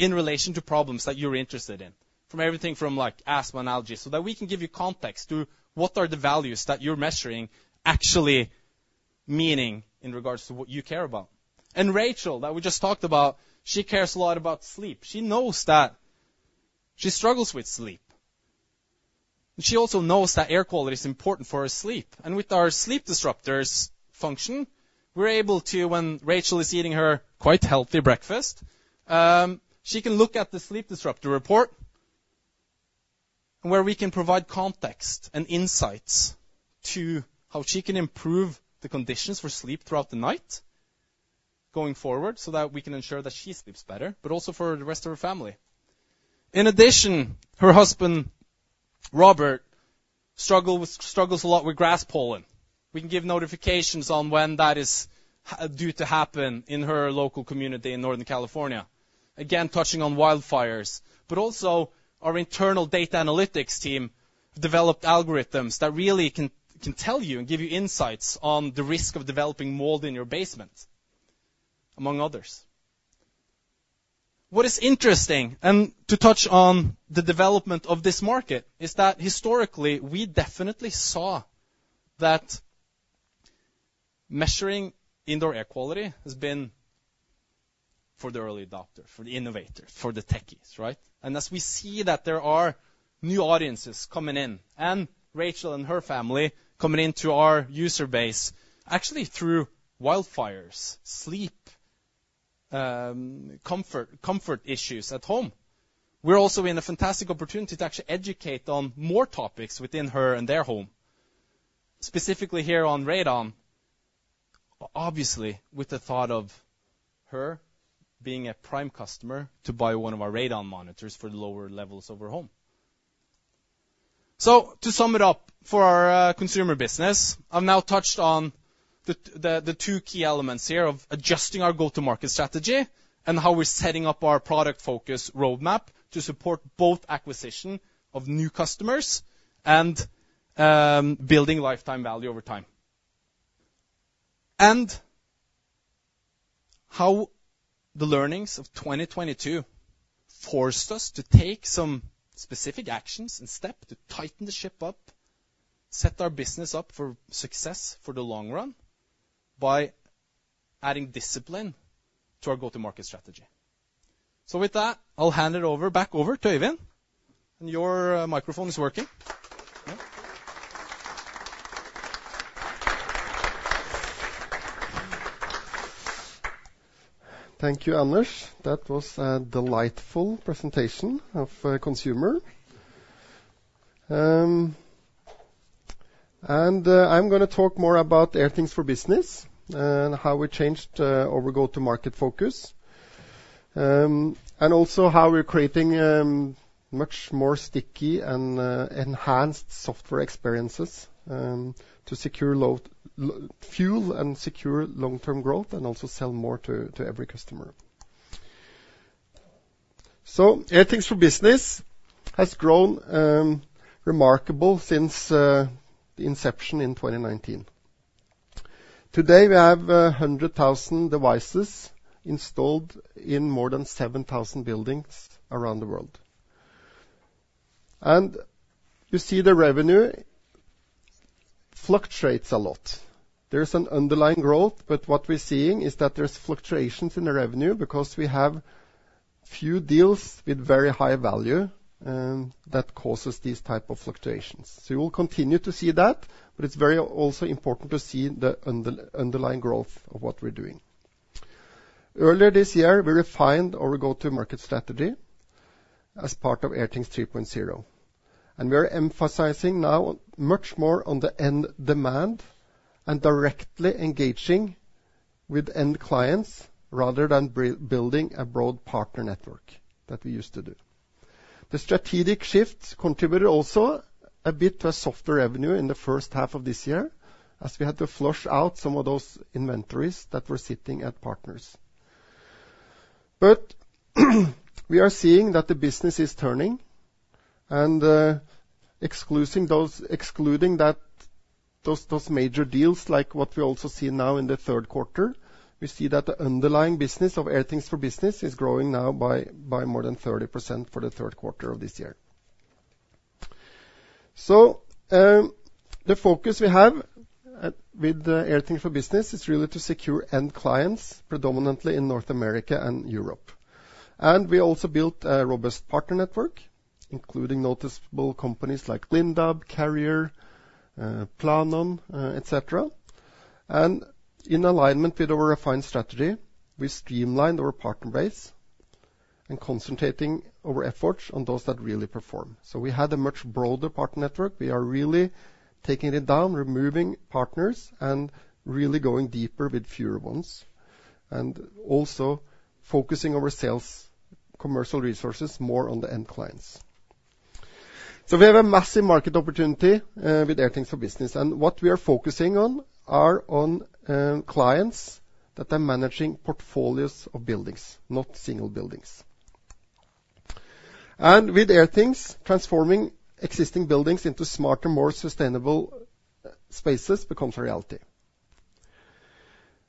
in relation to problems that you're interested in, from everything from, like, asthma and allergies, so that we can give you context to what are the values that you're measuring actually meaning in regards to what you care about. Rachel, that we just talked about, she cares a lot about sleep. She knows that she struggles with sleep. She also knows that air quality is important for her sleep. With our sleep disruptors function, we're able to, when Rachel is eating her quite healthy breakfast, she can look at the sleep disruptor report, where we can provide context and insights to how she can improve the conditions for sleep throughout the night, going forward, so that we can ensure that she sleeps better, but also for the rest of her family. In addition, her husband, Robert, struggles a lot with grass pollen. We can give notifications on when that is due to happen in her local community in Northern California. Again, touching on wildfires, but also our internal data analytics team developed algorithms that really can tell you and give you insights on the risk of developing mold in your basement, among others. What is interesting, and to touch on the development of this market, is that historically, we definitely saw that measuring indoor air quality has been for the early adopter, for the innovator, for the techies, right? And as we see that there are new audiences coming in, and Rachel and her family coming into our user base, actually through wildfires, sleep, comfort, comfort issues at home. We're also in a fantastic opportunity to actually educate on more topics within her and their home, specifically here on radon, obviously, with the thought of her being a prime customer to buy one of our radon monitors for the lower levels of her home. So to sum it up, for our consumer business, I've now touched on the two key elements here of adjusting our go-to-market strategy and how we're setting up our product focus roadmap to support both acquisition of new customers and building lifetime value over time. And how the learnings of 2022 forced us to take some specific actions and step to tighten the ship up, set our business up for success for the long run by adding discipline to our go-to-market strategy. So with that, I'll hand it over, back over to Øyvind. And your microphone is working. Thank you, Anders. That was a delightful presentation of consumer. And I'm gonna talk more about Airthings for Business, and how we changed our go-to-market focus. And also how we're creating much more sticky and enhanced software experiences to secure long-term value and secure long-term growth, and also sell more to every customer. Airthings for Business has grown remarkably since the inception in 2019. Today, we have 100,000 devices installed in more than 7,000 buildings around the world. You see the revenue fluctuates a lot. There's an underlying growth, but what we're seeing is that there's fluctuations in the revenue because we have few deals with very high value, and that causes these type of fluctuations. So you will continue to see that, but it's very also important to see the underlying growth of what we're doing. Earlier this year, we refined our go-to-market strategy as part of Airthings 3.0, and we're emphasizing now much more on the end demand and directly engaging with end clients rather than building a broad partner network that we used to do. The strategic shift contributed also a bit to a softer revenue in the first half of this year, as we had to flush out some of those inventories that were sitting at partners. But we are seeing that the business is turning, and, excluding that, those major deals, like what we also see now in the third quarter, we see that the underlying business of Airthings for Business is growing now by, by more than 30% for the third quarter of this year. So, the focus we have at, with the Airthings for Business is really to secure end clients, predominantly in North America and Europe. And we also built a robust partner network, including noticeable companies like Lindab, Carrier, Planon, et cetera. And in alignment with our refined strategy, we streamlined our partner base and concentrating our efforts on those that really perform. So we had a much broader partner network. We are really taking it down, removing partners, and really going deeper with fewer ones, and also focusing our sales commercial resources more on the end clients. So we have a massive market opportunity with Airthings for Business, and what we are focusing on are clients that are managing portfolios of buildings, not single buildings. With Airthings, transforming existing buildings into smarter, more sustainable spaces becomes a reality.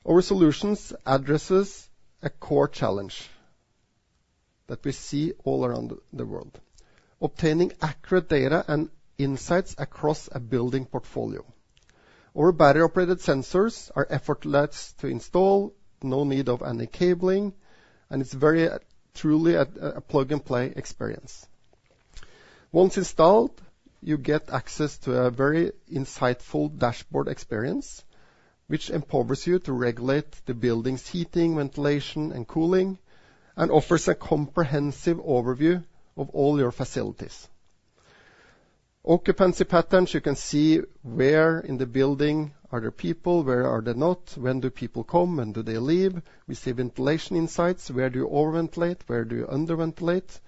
Our solutions addresses a core challenge that we see all around the world, obtaining accurate data and insights across a building portfolio. Our battery-operated sensors are effortless to install, no need of any cabling, and it's very truly a plug-and-play experience. Once installed, you get access to a very insightful dashboard experience, which empowers you to regulate the building's heating, ventilation, and cooling, and offers a comprehensive overview of all your facilities. Occupancy patterns, you can see where in the building are there people, where are they not? When do people come, and do they leave? We see ventilation insights. Where do you over-ventilate? Where do you under-ventilate?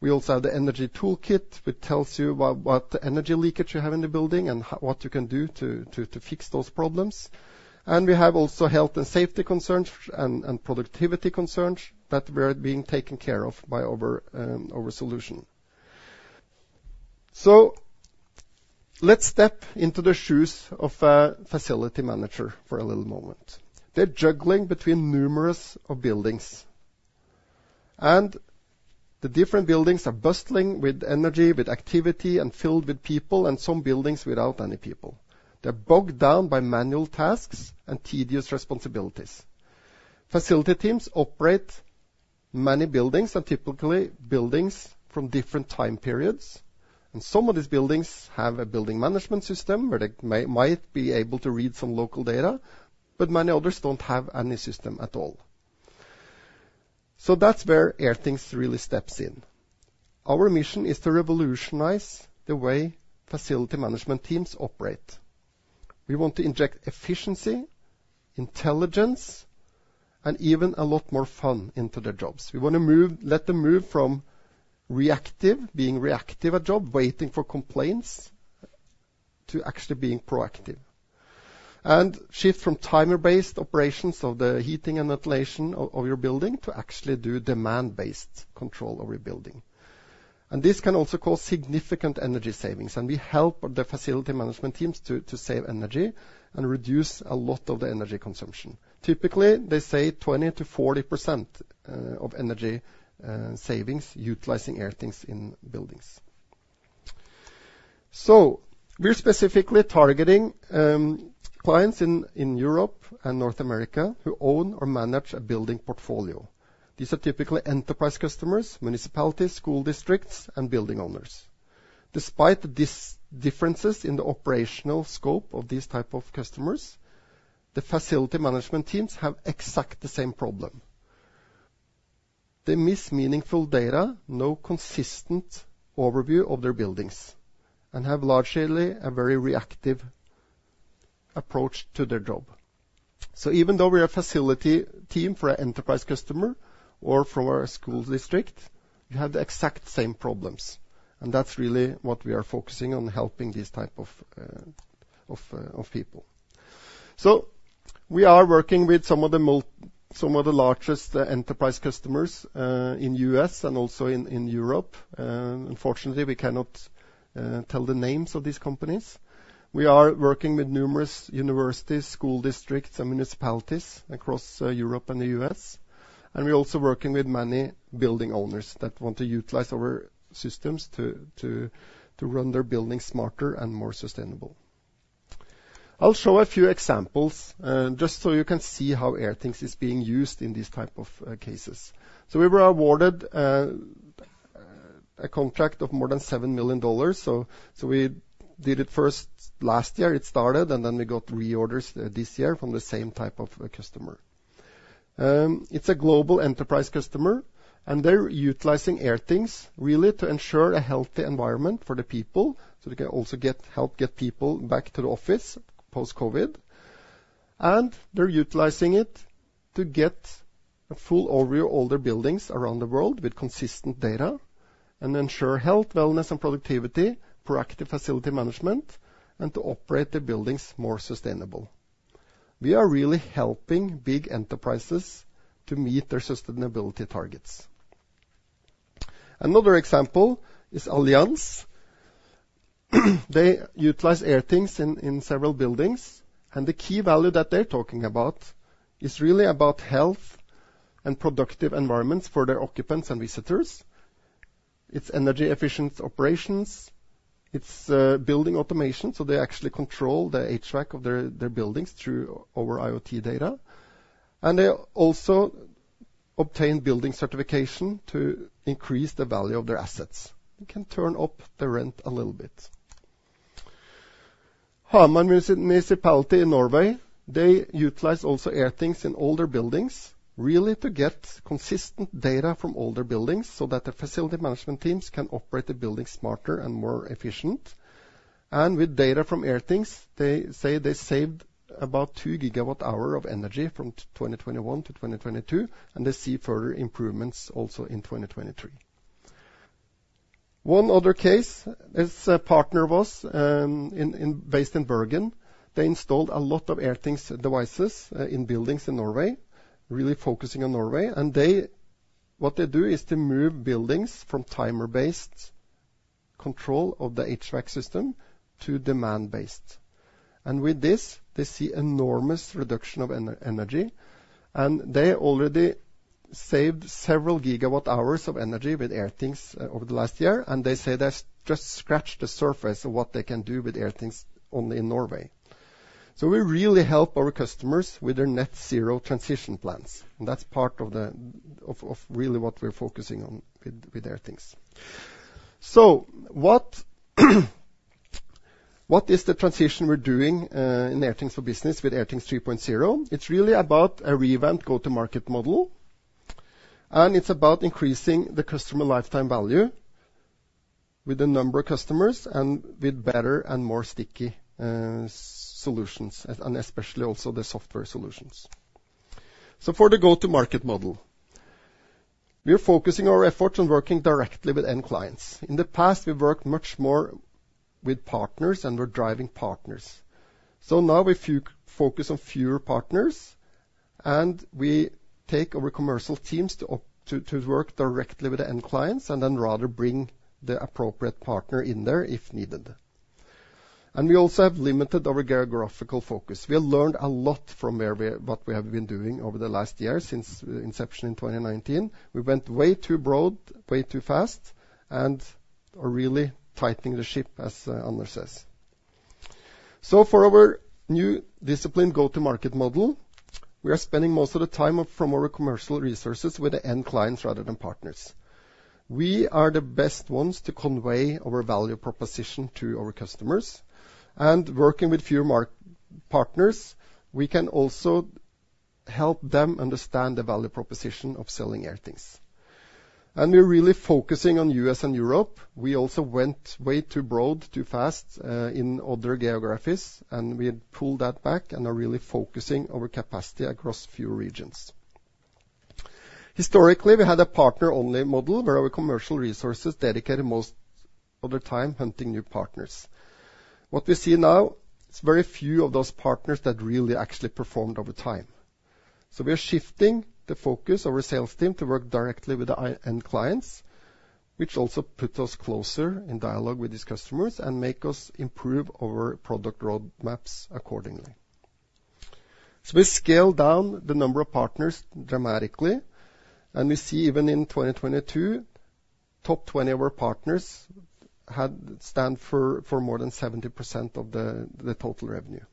We also have the Energy Toolkit, which tells you what energy leakage you have in the building and what you can do to fix those problems. We have also health and safety concerns and productivity concerns that were being taken care of by our, our solution. Let's step into the shoes of a facility manager for a little moment. They're juggling between numerous of buildings, and the different buildings are bustling with energy, with activity, and filled with people, and some buildings without any people. They're bogged down by manual tasks and tedious responsibilities. Facility teams operate many buildings and typically buildings from different time periods, and some of these buildings have a building management system, where they might be able to read some local data, but many others don't have any system at all. So that's where Airthings really steps in. Our mission is to revolutionize the way facility management teams operate. We want to inject efficiency, intelligence, and even a lot more fun into their jobs. We want to move... Let them move from reactive, being reactive at job, waiting for complaints, to actually being proactive. And shift from timer-based operations of the heating and ventilation of your building to actually do demand-based control of your building. And this can also cause significant energy savings, and we help the facility management teams to save energy and reduce a lot of the energy consumption. Typically, they say 20%-40% of energy savings utilizing Airthings in buildings. So we're specifically targeting clients in Europe and North America who own or manage a building portfolio. These are typically enterprise customers, municipalities, school districts, and building owners. Despite these differences in the operational scope of these type of customers, the facility management teams have exactly the same problem. They miss meaningful data, no consistent overview of their buildings, and have largely a very reactive approach to their job. So even though we're a facility team for an enterprise customer or for a school district, we have the exact same problems, and that's really what we are focusing on, helping these type of people. So we are working with some of the largest enterprise customers in the U.S. and also in Europe, and unfortunately, we cannot tell the names of these companies. We are working with numerous universities, school districts, and municipalities across Europe and the U.S., and we're also working with many building owners that want to utilize our systems to run their buildings smarter and more sustainable. I'll show a few examples just so you can see how Airthings is being used in these type of cases. So we were awarded a contract of more than $7 million. So we did it first last year, it started, and then we got reorders this year from the same type of a customer. It's a global enterprise customer, and they're utilizing Airthings really to ensure a healthy environment for the people, so we can also help get people back to the office post-COVID, and they're utilizing it to get a full overview of all their buildings around the world with consistent data and ensure health, wellness, and productivity, proactive facility management, and to operate their buildings more sustainable. We are really helping big enterprises to meet their sustainability targets. Another example is Allianz. They utilize Airthings in several buildings, and the key value that they're talking about is really about health and productive environments for their occupants and visitors. It's energy efficient operations, it's building automation, so they actually control the HVAC of their buildings through our IoT data, and they also obtain building certification to increase the value of their assets. They can turn up the rent a little bit. Hamar Municipality in Norway, they utilize also Airthings in all their buildings, really to get consistent data from all their buildings so that the facility management teams can operate the building smarter and more efficient. And with data from Airthings, they say they saved about 2 GWh of energy from 2021 to 2022, and they see further improvements also in 2023. One other case is Partner Vest, based in Bergen. They installed a lot of Airthings devices in buildings in Norway, really focusing on Norway. And they, what they do is to move buildings from timer-based control of the HVAC system to demand-based. And with this, they see enormous reduction of energy, and they already saved several gigawatt hours of energy with Airthings over the last year, and they say they've just scratched the surface of what they can do with Airthings only in Norway. So we really help our customers with their net zero transition plans, and that's part of the really what we're focusing on with Airthings. So what is the transition we're doing in Airthings for Business with Airthings 3.0? It's really about a revamped go-to-market model, and it's about increasing the customer lifetime value with the number of customers and with better and more sticky solutions, and especially also the software solutions. So for the go-to-market model, we are focusing our efforts on working directly with end clients. In the past, we've worked much more with partners, and we're driving partners. So now we focus on fewer partners, and we take our commercial teams to work directly with the end clients, and then rather bring the appropriate partner in there, if needed. And we also have limited our geographical focus. We have learned a lot from what we have been doing over the last year since inception in 2019. We went way too broad, way too fast, and are really tightening the ship, as Anders says. So for our new disciplined go-to-market model, we are spending most of the time from our commercial resources with the end clients rather than partners. We are the best ones to convey our value proposition to our customers, and working with fewer partners, we can also help them understand the value proposition of selling Airthings. And we're really focusing on U.S. and Europe. We also went way too broad, too fast, in other geographies, and we had pulled that back and are really focusing our capacity across few regions. Historically, we had a partner-only model, where our commercial resources dedicated most of their time hunting new partners. What we see now is very few of those partners that really actually performed over time. So we are shifting the focus of our sales team to work directly with the end clients, which also put us closer in dialogue with these customers and make us improve our product roadmaps accordingly. So we scaled down the number of partners dramatically, and we see even in 2022, top 20 of our partners had stand for more than 70% of the total revenue.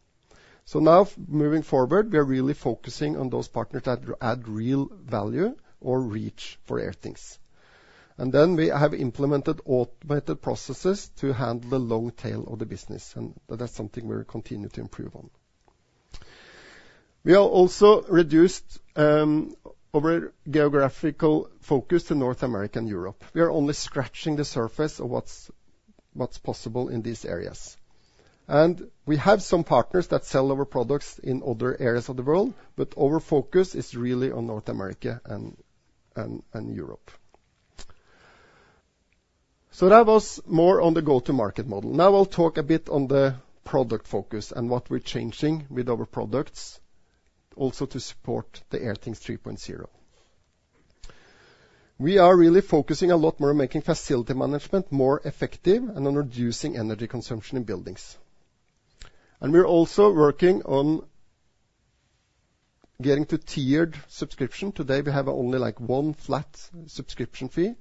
So now, moving forward, we are really focusing on those partners that add real value or reach for Airthings. And then we have implemented automated processes to handle the long tail of the business, and that's something we're continuing to improve on. We are also reduced our geographical focus to North America and Europe. We are only scratching the surface of what's possible in these areas. And we have some partners that sell our products in other areas of the world, but our focus is really on North America and Europe. So that was more on the go-to-market model. Now I'll talk a bit on the product focus and what we're changing with our products, also to support the Airthings 3.0. We are really focusing a lot more on making facility management more effective and on reducing energy consumption in buildings. And we're also working on getting to tiered subscription. Today, we have only, like, one flat subscription fee.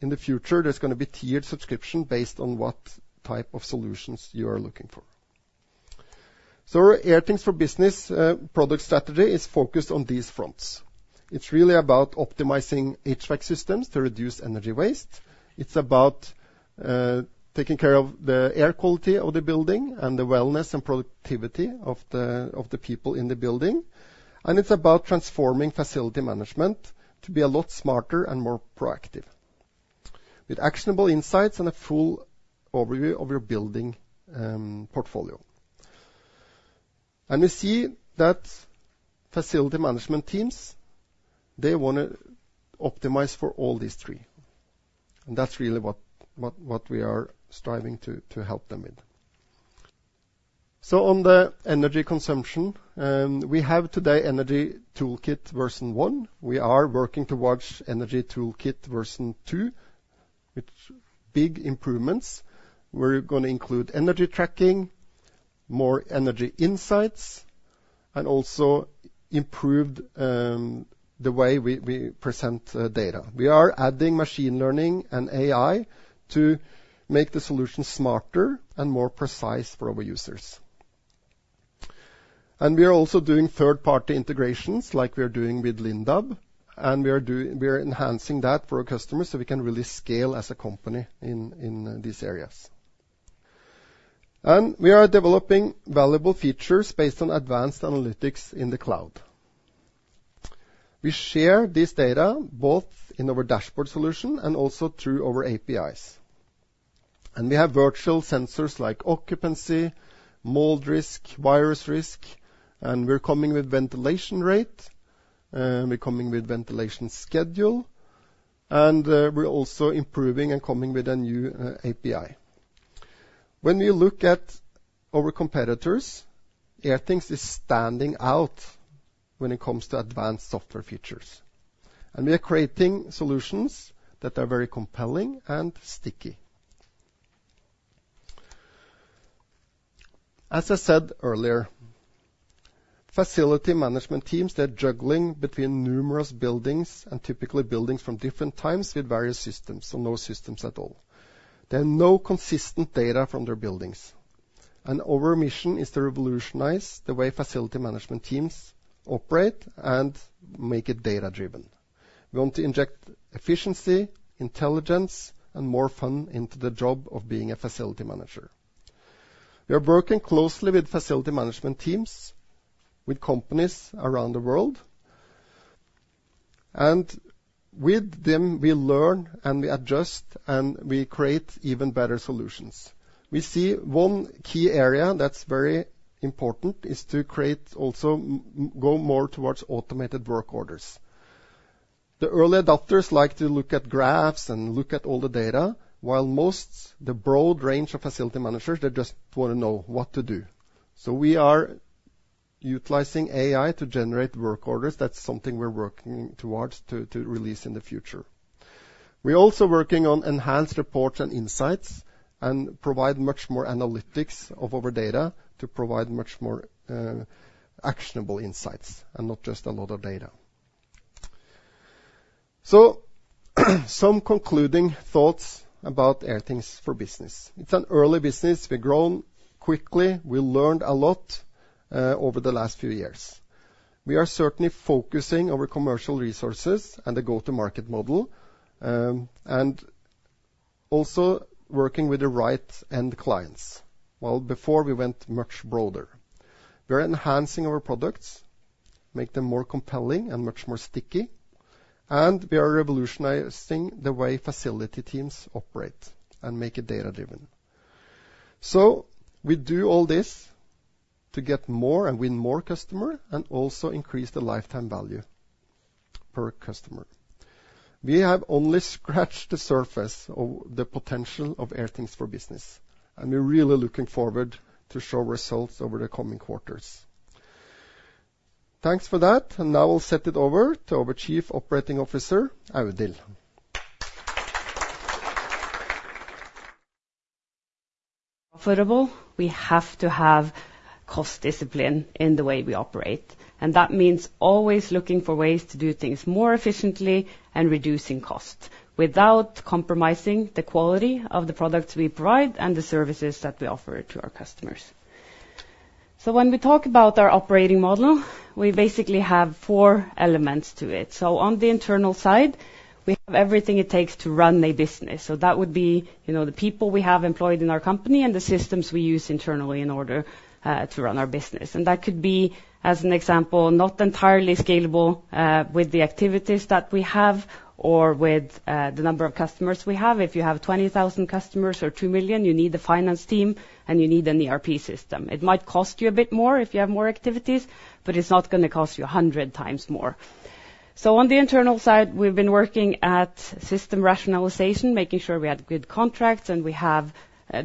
In the future, there's gonna be tiered subscription based on what type of solutions you are looking for. So Airthings for Business product strategy is focused on these fronts. It's really about optimizing HVAC systems to reduce energy waste. It's about taking care of the air quality of the building and the wellness and productivity of the people in the building. And it's about transforming facility management to be a lot smarter and more proactive, with actionable insights and a full overview of your building portfolio. And we see that facility management teams, they wanna optimize for all these three, and that's really what we are striving to help them with. So on the energy consumption, we have today Energy Toolkit version one. We are working towards Energy Toolkit version two, with big improvements. We're gonna include energy tracking, more energy insights, and also improved the way we present data. We are adding machine learning and AI to make the solution smarter and more precise for our users. We are also doing third-party integrations like we are doing with Lindab, and we are enhancing that for our customers so we can really scale as a company in these areas. We are developing valuable features based on advanced analytics in the cloud. We share this data both in our dashboard solution and also through our APIs. We have virtual sensors like occupancy, mold risk, virus risk, and we're coming with ventilation rate, we're coming with ventilation schedule, and we're also improving and coming with a new API. When we look at our competitors, Airthings is standing out when it comes to advanced software features, and we are creating solutions that are very compelling and sticky. As I said earlier, facility management teams, they're juggling between numerous buildings and typically buildings from different times with various systems or no systems at all. There are no consistent data from their buildings, and our mission is to revolutionize the way facility management teams operate and make it data-driven. We want to inject efficiency, intelligence, and more fun into the job of being a facility manager. We are working closely with facility management teams, with companies around the world, and with them, we learn, and we adjust, and we create even better solutions. We see one key area that's very important is to create also, go more towards automated work orders. The early adopters like to look at graphs and look at all the data, while most, the broad range of facility managers, they just wanna know what to do. So we are utilizing AI to generate work orders. That's something we're working towards to release in the future. We're also working on enhanced reports and insights, and provide much more analytics of our data to provide much more actionable insights and not just a lot of data. So, some concluding thoughts about Airthings for Business. It's an early business. We've grown quickly. We learned a lot over the last few years. We are certainly focusing our commercial resources and the go-to-market model, and also working with the right end clients. Well, before, we went much broader. We are enhancing our products, make them more compelling and much more sticky, and we are revolutionizing the way facility teams operate and make it data-driven. So we do all this to get more and win more customer, and also increase the lifetime value per customer. We have only scratched the surface of the potential of Airthings for Business, and we're really looking forward to show results over the coming quarters. Thanks for that, and now I'll set it over to our Chief Operating Officer, Audhild. Profitable, we have to have cost discipline in the way we operate, and that means always looking for ways to do things more efficiently and reducing costs, without compromising the quality of the products we provide and the services that we offer to our customers. So when we talk about our operating model, we basically have four elements to it. So on the internal side, we have everything it takes to run a business. So that would be, you know, the people we have employed in our company and the systems we use internally in order to run our business. And that could be, as an example, not entirely scalable with the activities that we have or with the number of customers we have. If you have 20,000 customers or 2 million, you need a finance team and you need an ERP system. It might cost you a bit more if you have more activities, but it's not gonna cost you a hundred times more. So on the internal side, we've been working at system rationalization, making sure we had good contracts, and we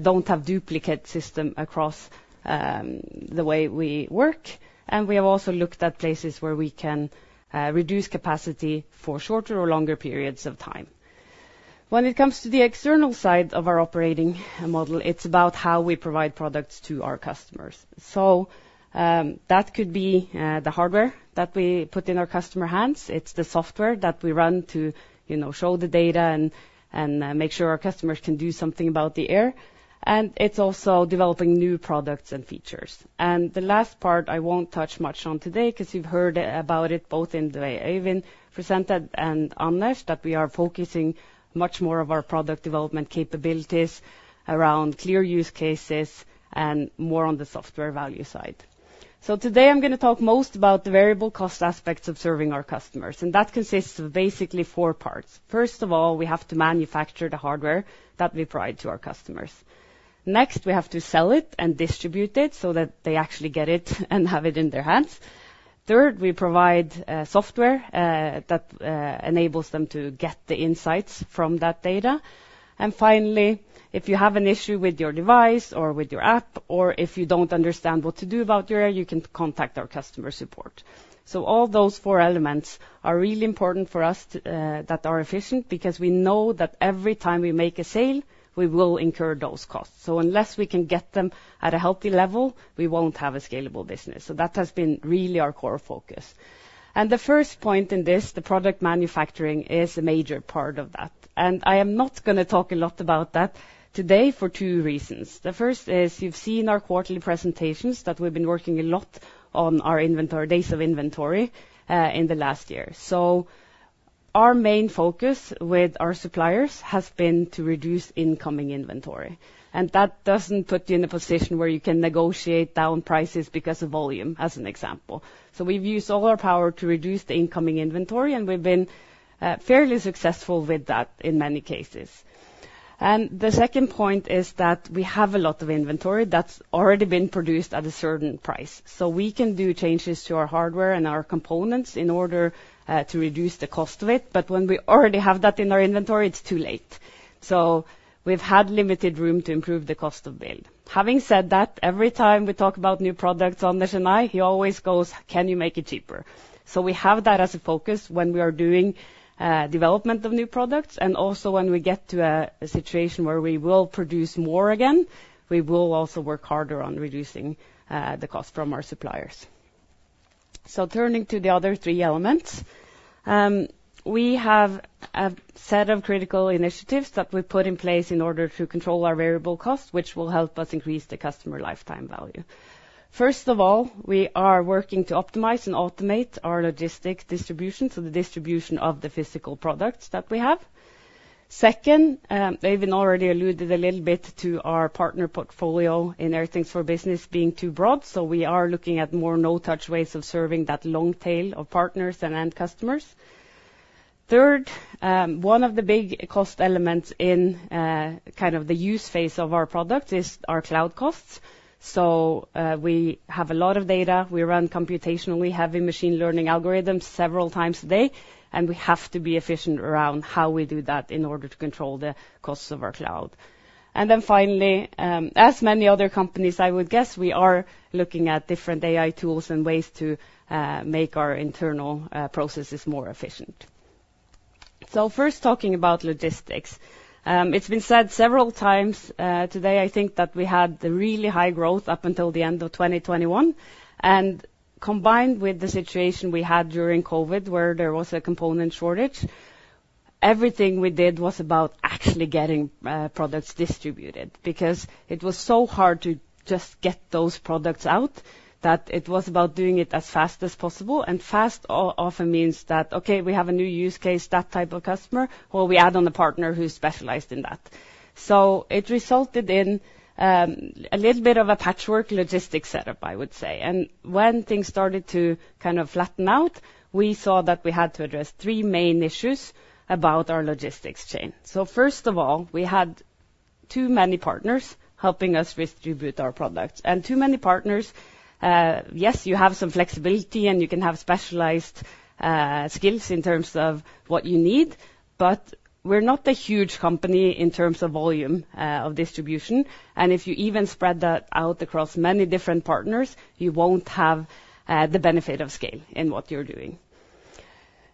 don't have duplicate system across the way we work. And we have also looked at places where we can reduce capacity for shorter or longer periods of time. When it comes to the external side of our operating model, it's about how we provide products to our customers. So, that could be the hardware that we put in our customer hands. It's the software that we run to, you know, show the data and make sure our customers can do something about the air. And it's also developing new products and features. The last part, I won't touch much on today, 'cause you've heard about it, both in the way Øyvind presented and Anders, that we are focusing much more of our product development capabilities around clear use cases and more on the software value side. So today, I'm gonna talk most about the variable cost aspects of serving our customers, and that consists of basically four parts. First of all, we have to manufacture the hardware that we provide to our customers. Next, we have to sell it and distribute it so that they actually get it and have it in their hands. Third, we provide software that enables them to get the insights from that data. And finally, if you have an issue with your device or with your app, or if you don't understand what to do about your air, you can contact our customer support. So all those four elements are really important for us that are efficient, because we know that every time we make a sale, we will incur those costs. So unless we can get them at a healthy level, we won't have a scalable business. So that has been really our core focus. And the first point in this, the product manufacturing, is a major part of that. And I am not gonna talk a lot about that today for two reasons. The first is you've seen our quarterly presentations, that we've been working a lot on our inventory, days of inventory, in the last year. So our main focus with our suppliers has been to reduce incoming inventory, and that doesn't put you in a position where you can negotiate down prices because of volume, as an example. So we've used all our power to reduce the incoming inventory, and we've been fairly successful with that in many cases. And the second point is that we have a lot of inventory that's already been produced at a certain price. So we can do changes to our hardware and our components in order to reduce the cost of it, but when we already have that in our inventory, it's too late. So we've had limited room to improve the cost of build. Having said that, every time we talk about new products, Anders and I, he always goes: "Can you make it cheaper?" So we have that as a focus when we are doing development of new products, and also when we get to a situation where we will produce more again, we will also work harder on reducing the cost from our suppliers. So turning to the other three elements, we have a set of critical initiatives that we've put in place in order to control our variable costs, which will help us increase the customer lifetime value. First of all, we are working to optimize and automate our logistics distribution, so the distribution of the physical products that we have. Second, Øyvind already alluded a little bit to our partner portfolio in Airthings for Business being too broad, so we are looking at more no-touch ways of serving that long tail of partners and end customers. Third, one of the big cost elements in, kind of the use phase of our product is our cloud costs. So, we have a lot of data. We run computation, we have a machine learning algorithm several times a day, and we have to be efficient around how we do that in order to control the costs of our cloud. And then finally, as many other companies, I would guess, we are looking at different AI tools and ways to, make our internal, processes more efficient. So first talking about logistics. It's been said several times today, I think, that we had the really high growth up until the end of 2021, and combined with the situation we had during COVID, where there was a component shortage, everything we did was about actually getting products distributed, because it was so hard to just get those products out that it was about doing it as fast as possible, and fast often means that, okay, we have a new use case, that type of customer, well, we add on a partner who's specialized in that. It resulted in a little bit of a patchwork logistics setup, I would say. When things started to kind of flatten out, we saw that we had to address three main issues about our logistics chain. First of all, we had too many partners helping us distribute our products. Too many partners, yes, you have some flexibility, and you can have specialized skills in terms of what you need, but we're not a huge company in terms of volume of distribution, and if you even spread that out across many different partners, you won't have the benefit of scale in what you're doing.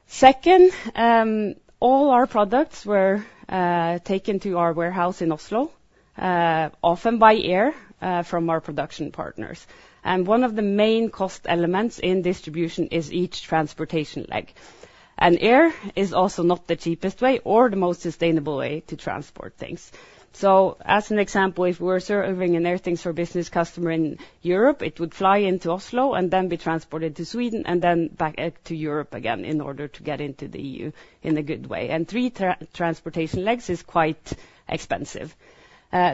Second, all our products were taken to our warehouse in Oslo, often by air, from our production partners. One of the main cost elements in distribution is each transportation leg. Air is also not the cheapest way or the most sustainable way to transport things. So as an example, if we were serving an Airthings for Business customer in Europe, it would fly into Oslo and then be transported to Sweden, and then back to Europe again in order to get into the EU in a good way. And three transportation legs is quite expensive.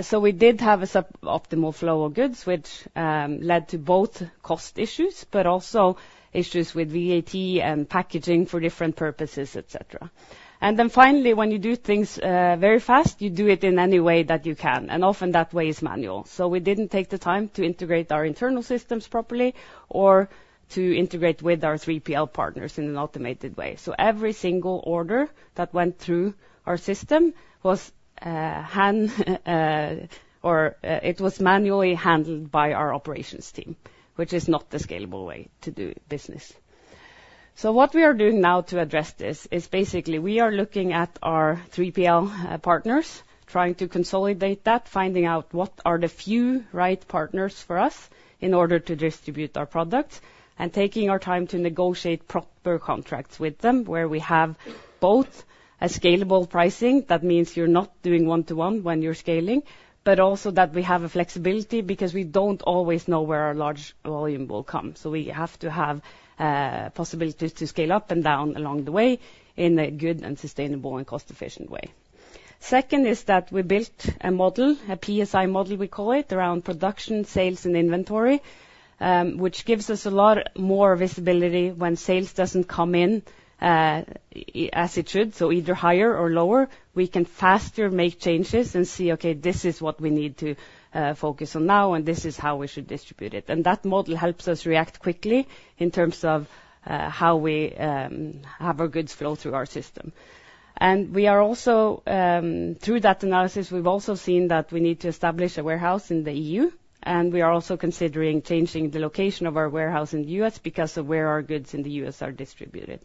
So we did have a sub-optimal flow of goods, which led to both cost issues, but also issues with VAT and packaging for different purposes, et cetera. And then finally, when you do things very fast, you do it in any way that you can, and often that way is manual. So we didn't take the time to integrate our internal systems properly, or to integrate with our 3PL partners in an automated way. So every single order that went through our system was manually handled by our operations team, which is not the scalable way to do business. So what we are doing now to address this is basically we are looking at our 3PL partners, trying to consolidate that, finding out what are the few right partners for us in order to distribute our products, and taking our time to negotiate proper contracts with them, where we have both a scalable pricing - that means you're not doing one-to-one when you're scaling - but also that we have a flexibility, because we don't always know where our large volume will come. So we have to have possibilities to scale up and down along the way in a good and sustainable and cost-efficient way. Second is that we built a model, a PSI model, we call it, around production, sales, and inventory, which gives us a lot more visibility when sales doesn't come in as it should, so either higher or lower. We can faster make changes and see, okay, this is what we need to focus on now, and this is how we should distribute it. And that model helps us react quickly in terms of how we have our goods flow through our system. And we are also... Through that analysis, we've also seen that we need to establish a warehouse in the EU, and we are also considering changing the location of our warehouse in the U.S. because of where our goods in the U.S. are distributed.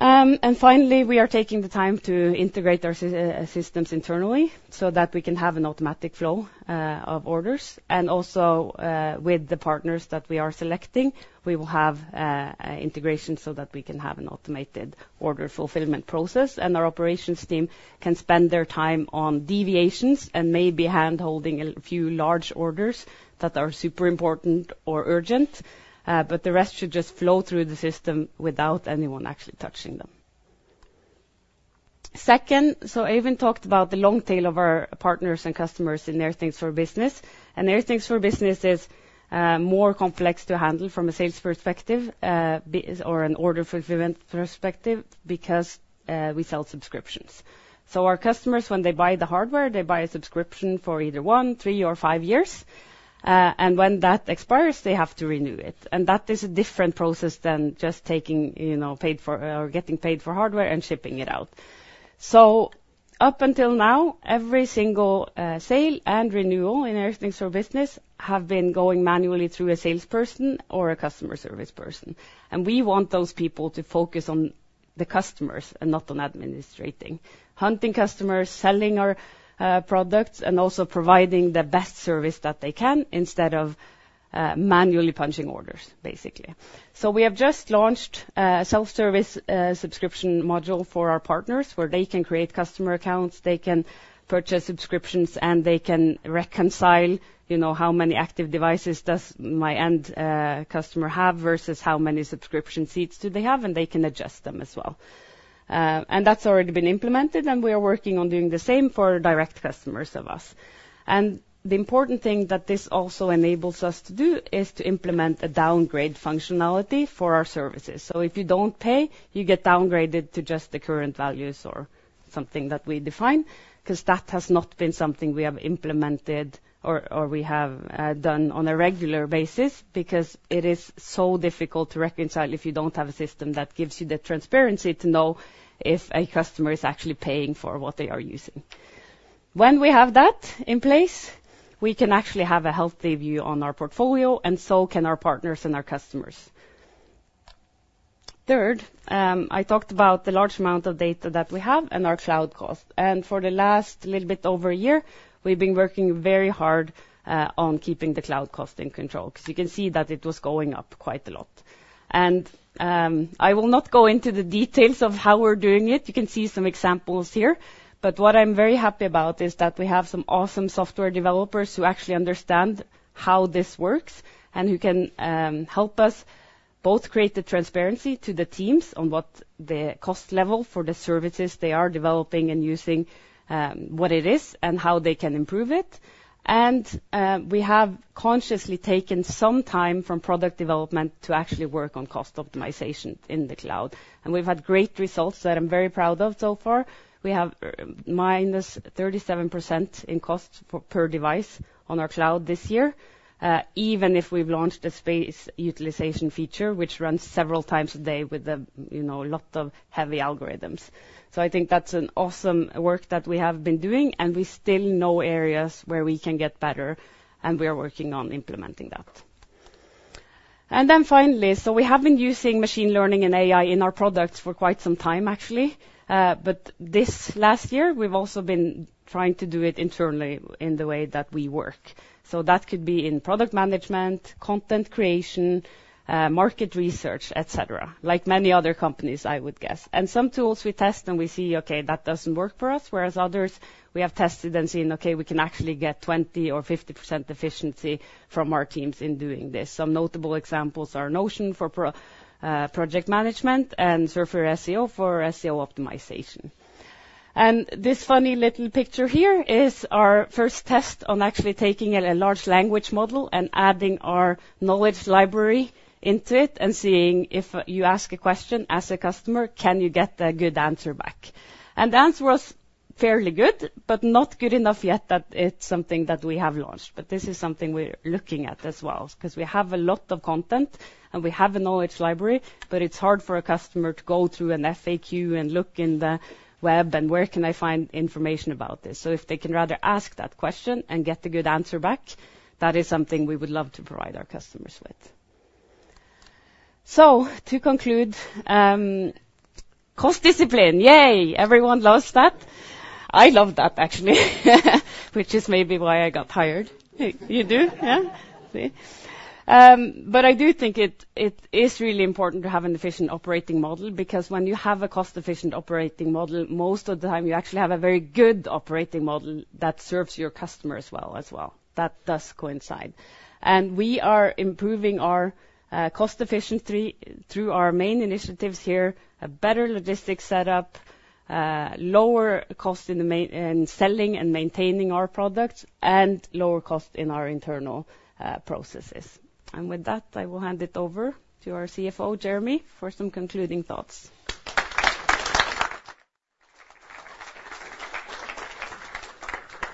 Finally, we are taking the time to integrate our systems internally so that we can have an automatic flow of orders. Also, with the partners that we are selecting, we will have an integration so that we can have an automated order fulfillment process, and our operations team can spend their time on deviations and maybe hand-holding a few large orders that are super important or urgent, but the rest should just flow through the system without anyone actually touching them. Second, Øyvind talked about the long tail of our partners and customers in Airthings for Business. And Airthings for Business is more complex to handle from a sales perspective or an order fulfillment perspective, because we sell subscriptions. So our customers, when they buy the hardware, they buy a subscription for either one, three, or five years, and when that expires, they have to renew it. And that is a different process than just taking, you know, paid for, or getting paid for hardware and shipping it out. So up until now, every single sale and renewal in Airthings for Business have been going manually through a salesperson or a customer service person. And we want those people to focus on the customers and not on administrating. Hunting customers, selling our products, and also providing the best service that they can instead of manually punching orders, basically. So we have just launched a self-service subscription module for our partners, where they can create customer accounts, they can purchase subscriptions, and they can reconcile, you know, how many active devices does my end customer have, versus how many subscription seats do they have, and they can adjust them as well. That's already been implemented, and we are working on doing the same for direct customers of us. The important thing that this also enables us to do is to implement a downgrade functionality for our services. So if you don't pay, you get downgraded to just the current values or something that we define, 'cause that has not been something we have implemented or we have done on a regular basis, because it is so difficult to reconcile if you don't have a system that gives you the transparency to know if a customer is actually paying for what they are using. When we have that in place, we can actually have a healthy view on our portfolio, and so can our partners and our customers. Third, I talked about the large amount of data that we have and our cloud cost, and for the last little bit over a year, we've been working very hard on keeping the cloud cost in control, because you can see that it was going up quite a lot. I will not go into the details of how we're doing it. You can see some examples here. But what I'm very happy about is that we have some awesome software developers who actually understand how this works and who can help us both create the transparency to the teams on what the cost level for the services they are developing and using what it is and how they can improve it. We have consciously taken some time from product development to actually work on cost optimization in the cloud, and we've had great results that I'm very proud of so far. We have -37% in costs per device on our cloud this year even if we've launched a space utilization feature, which runs several times a day with a you know lot of heavy algorithms. So I think that's an awesome work that we have been doing, and we still know areas where we can get better, and we are working on implementing that. Then finally, we have been using machine learning and AI in our products for quite some time, actually. But this last year, we've also been trying to do it internally in the way that we work. So that could be in product management, content creation, market research, et cetera, like many other companies, I would guess. And some tools we test and we see, okay, that doesn't work for us, whereas others we have tested and seen, okay, we can actually get 20% or 50% efficiency from our teams in doing this. Some notable examples are Notion for project management and Surfer SEO for SEO optimization. This funny little picture here is our first test on actually taking a large language model and adding our knowledge library into it and seeing if you ask a question as a customer, can you get a good answer back? The answer was fairly good, but not good enough yet that it's something that we have launched. But this is something we're looking at as well, 'cause we have a lot of content and we have a knowledge library, but it's hard for a customer to go through an FAQ and look in the web, and where can I find information about this? So if they can rather ask that question and get a good answer back, that is something we would love to provide our customers with. So to conclude, cost discipline. Yay! Everyone loves that. I love that actually, which is maybe why I got hired. You do? Yeah. But I do think it, it is really important to have an efficient operating model, because when you have a cost-efficient operating model, most of the time you actually have a very good operating model that serves your customer as well, as well. That does coincide. And we are improving our cost efficiency through our main initiatives here, a better logistics setup, lower cost in the in selling and maintaining our products, and lower cost in our internal processes. And with that, I will hand it over to our CFO, Jeremy, for some concluding thoughts.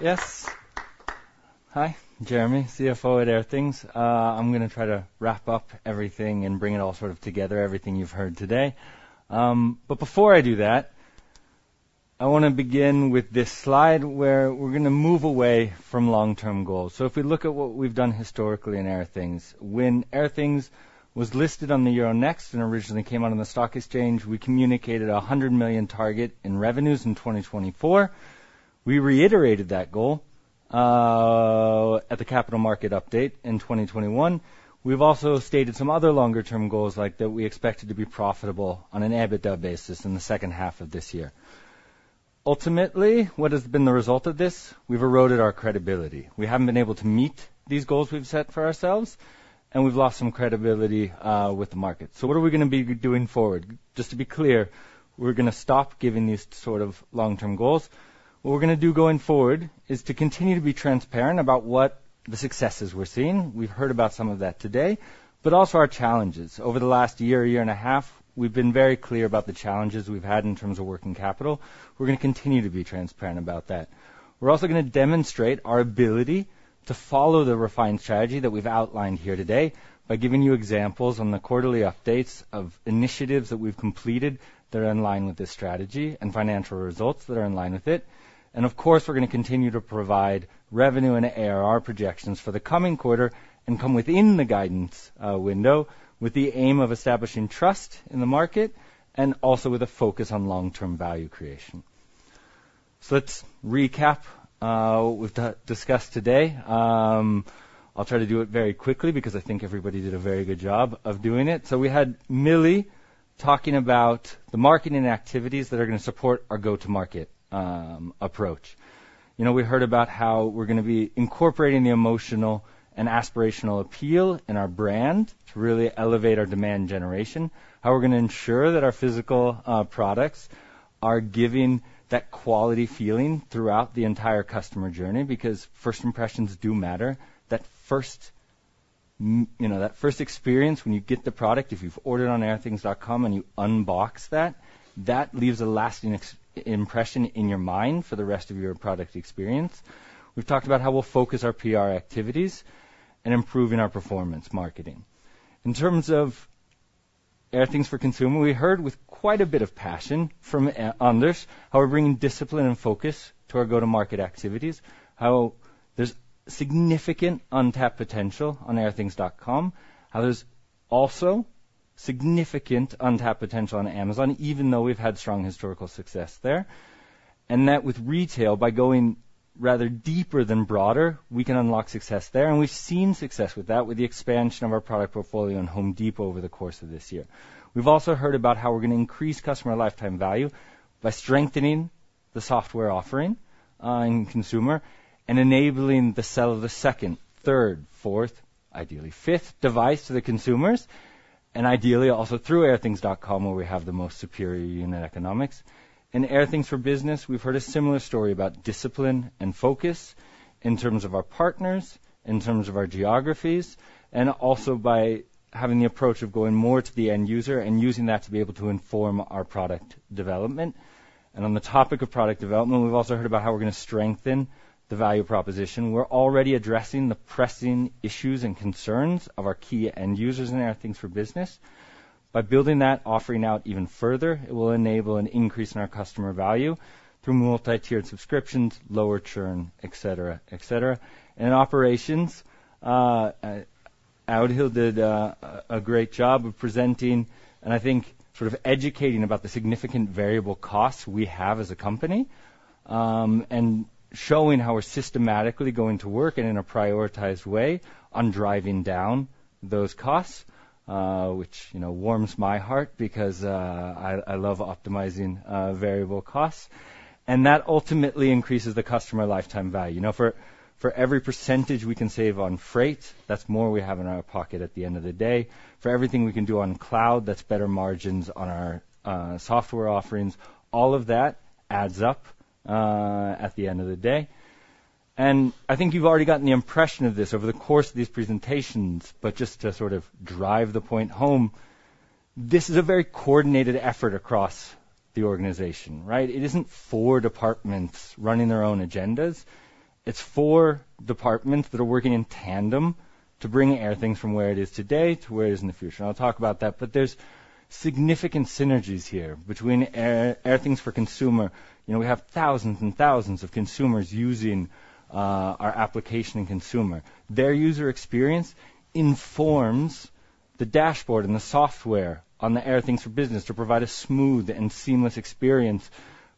Yes. Hi, Jeremy, CFO at Airthings. I'm going to try to wrap up everything and bring it all sort of together, everything you've heard today. But before I do that, I wanna begin with this slide, where we're gonna move away from long-term goals. So if we look at what we've done historically in Airthings, when Airthings was listed on the Euronext and originally came out on the stock exchange, we communicated a $100 million target in revenues in 2024. We reiterated that goal at the capital market update in 2021. We've also stated some other longer-term goals, like that we expected to be profitable on an EBITDA basis in the second half of this year. Ultimately, what has been the result of this? We've eroded our credibility. We haven't been able to meet these goals we've set for ourselves, and we've lost some credibility with the market. So what are we gonna be doing forward? Just to be clear, we're gonna stop giving these sort of long-term goals. What we're gonna do going forward is to continue to be transparent about what the successes we're seeing, we've heard about some of that today, but also our challenges. Over the last year, year and a half, we've been very clear about the challenges we've had in terms of working capital. We're gonna continue to be transparent about that. We're also gonna demonstrate our ability to follow the refined strategy that we've outlined here today by giving you examples on the quarterly updates of initiatives that we've completed that are in line with this strategy and financial results that are in line with it. Of course, we're gonna continue to provide revenue and ARR projections for the coming quarter and come within the guidance window with the aim of establishing trust in the market and also with a focus on long-term value creation. Let's recap what we've discussed today. I'll try to do it very quickly because I think everybody did a very good job of doing it. We had Millie talking about the marketing activities that are gonna support our go-to-market approach. You know, we heard about how we're gonna be incorporating the emotional and aspirational appeal in our brand to really elevate our demand generation, how we're gonna ensure that our physical products are giving that quality feeling throughout the entire customer journey, because first impressions do matter. You know, that first experience when you get the product, if you've ordered on Airthings.com and you unbox that, that leaves a lasting impression in your mind for the rest of your product experience. We've talked about how we'll focus our PR activities and improving our performance marketing. In terms of Airthings for Consumer, we heard with quite a bit of passion from Anders, how we're bringing discipline and focus to our go-to-market activities, how there's significant untapped potential on Airthings.com, how there's also significant untapped potential on Amazon, even though we've had strong historical success there. And that with retail, by going rather deeper than broader, we can unlock success there, and we've seen success with that with the expansion of our product portfolio in Home Depot over the course of this year. We've also heard about how we're gonna increase customer lifetime value by strengthening the software offering in consumer and enabling the sale of the second, third, fourth, ideally fifth device to the consumers, and ideally also through Airthings.com, where we have the most superior unit economics. In Airthings for Business, we've heard a similar story about discipline and focus in terms of our partners, in terms of our geographies, and also by having the approach of going more to the end user and using that to be able to inform our product development. On the topic of product development, we've also heard about how we're gonna strengthen the value proposition. We're already addressing the pressing issues and concerns of our key end users in Airthings for Business. By building that offering out even further, it will enable an increase in our customer value through multi-tiered subscriptions, lower churn, et cetera, et cetera. In operations, Audhild did a great job of presenting, and I think sort of educating about the significant variable costs we have as a company, and showing how we're systematically going to work and in a prioritized way on driving down those costs, which, you know, warms my heart because I love optimizing variable costs. And that ultimately increases the customer lifetime value. Now, for every percentage we can save on freight, that's more we have in our pocket at the end of the day. For everything we can do on cloud, that's better margins on our software offerings. All of that adds up at the end of the day. I think you've already gotten the impression of this over the course of these presentations, but just to sort of drive the point home, this is a very coordinated effort across the organization, right? It isn't four departments running their own agendas. It's four departments that are working in tandem to bring Airthings from where it is today to where it is in the future. And I'll talk about that, but there's significant synergies here between Airthings for Consumer. You know, we have thousands and thousands of consumers using our application in Consumer. Their user experience informs the dashboard and the software on the Airthings for Business to provide a smooth and seamless experience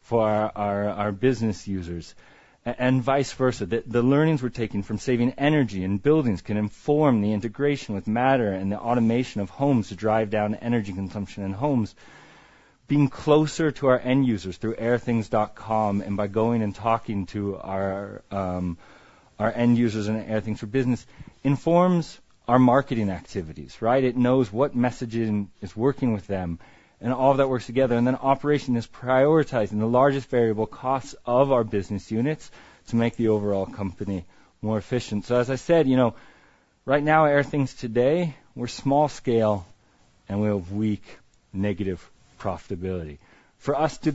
for our business users and vice versa. The learnings we're taking from saving energy in buildings can inform the integration with Matter and the automation of homes to drive down energy consumption in homes. Being closer to our end users through Airthings.com, and by going and talking to our end users in Airthings for Business, informs our marketing activities, right? It knows what messaging is working with them, and all of that works together. And then operation is prioritizing the largest variable costs of our business units to make the overall company more efficient. So as I said, you know, right now, Airthings today, we're small scale and we have weak negative profitability. For us to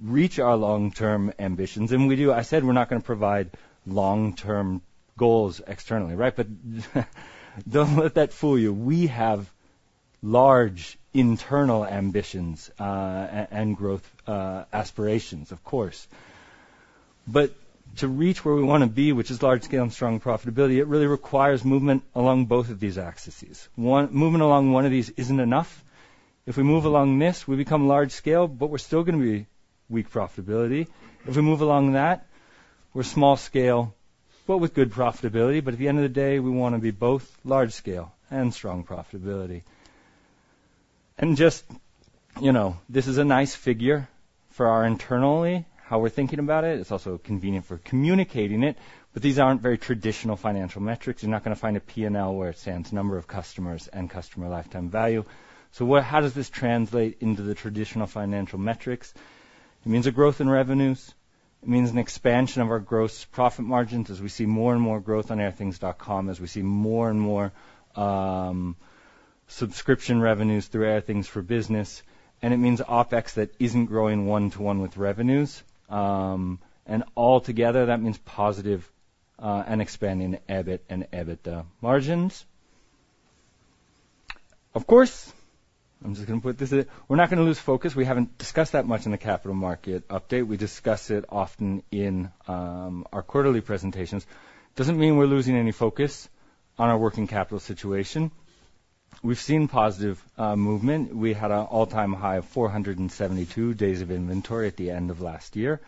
reach our long-term ambitions, and we do... I said we're not gonna provide long-term goals externally, right? But don't let that fool you. We have large internal ambitions, and growth, aspirations, of course. But to reach where we wanna be, which is large-scale and strong profitability, it really requires movement along both of these axes. One, moving along one of these isn't enough. If we move along this, we become large scale, but we're still gonna be weak profitability. If we move along that, we're small scale, but with good profitability. But at the end of the day, we wanna be both large scale and strong profitability. And just, you know, this is a nice figure for us internally, how we're thinking about it. It's also convenient for communicating it, but these aren't very traditional financial metrics. You're not gonna find a P&L where it stands, number of customers and customer lifetime value. So what, how does this translate into the traditional financial metrics? It means a growth in revenues. It means an expansion of our gross profit margins as we see more and more growth on Airthings.com, as we see more and more subscription revenues through Airthings for Business, and it means OpEx that isn't growing one-to-one with revenues. And altogether, that means positive and expanding EBIT and EBITDA margins. Of course, I'm just gonna put this in. We're not gonna lose focus. We haven't discussed that much in the capital market update. We discuss it often in our quarterly presentations. Doesn't mean we're losing any focus on our working capital situation. We've seen positive movement. We had an all-time high of 472 days of inventory at the end of last year.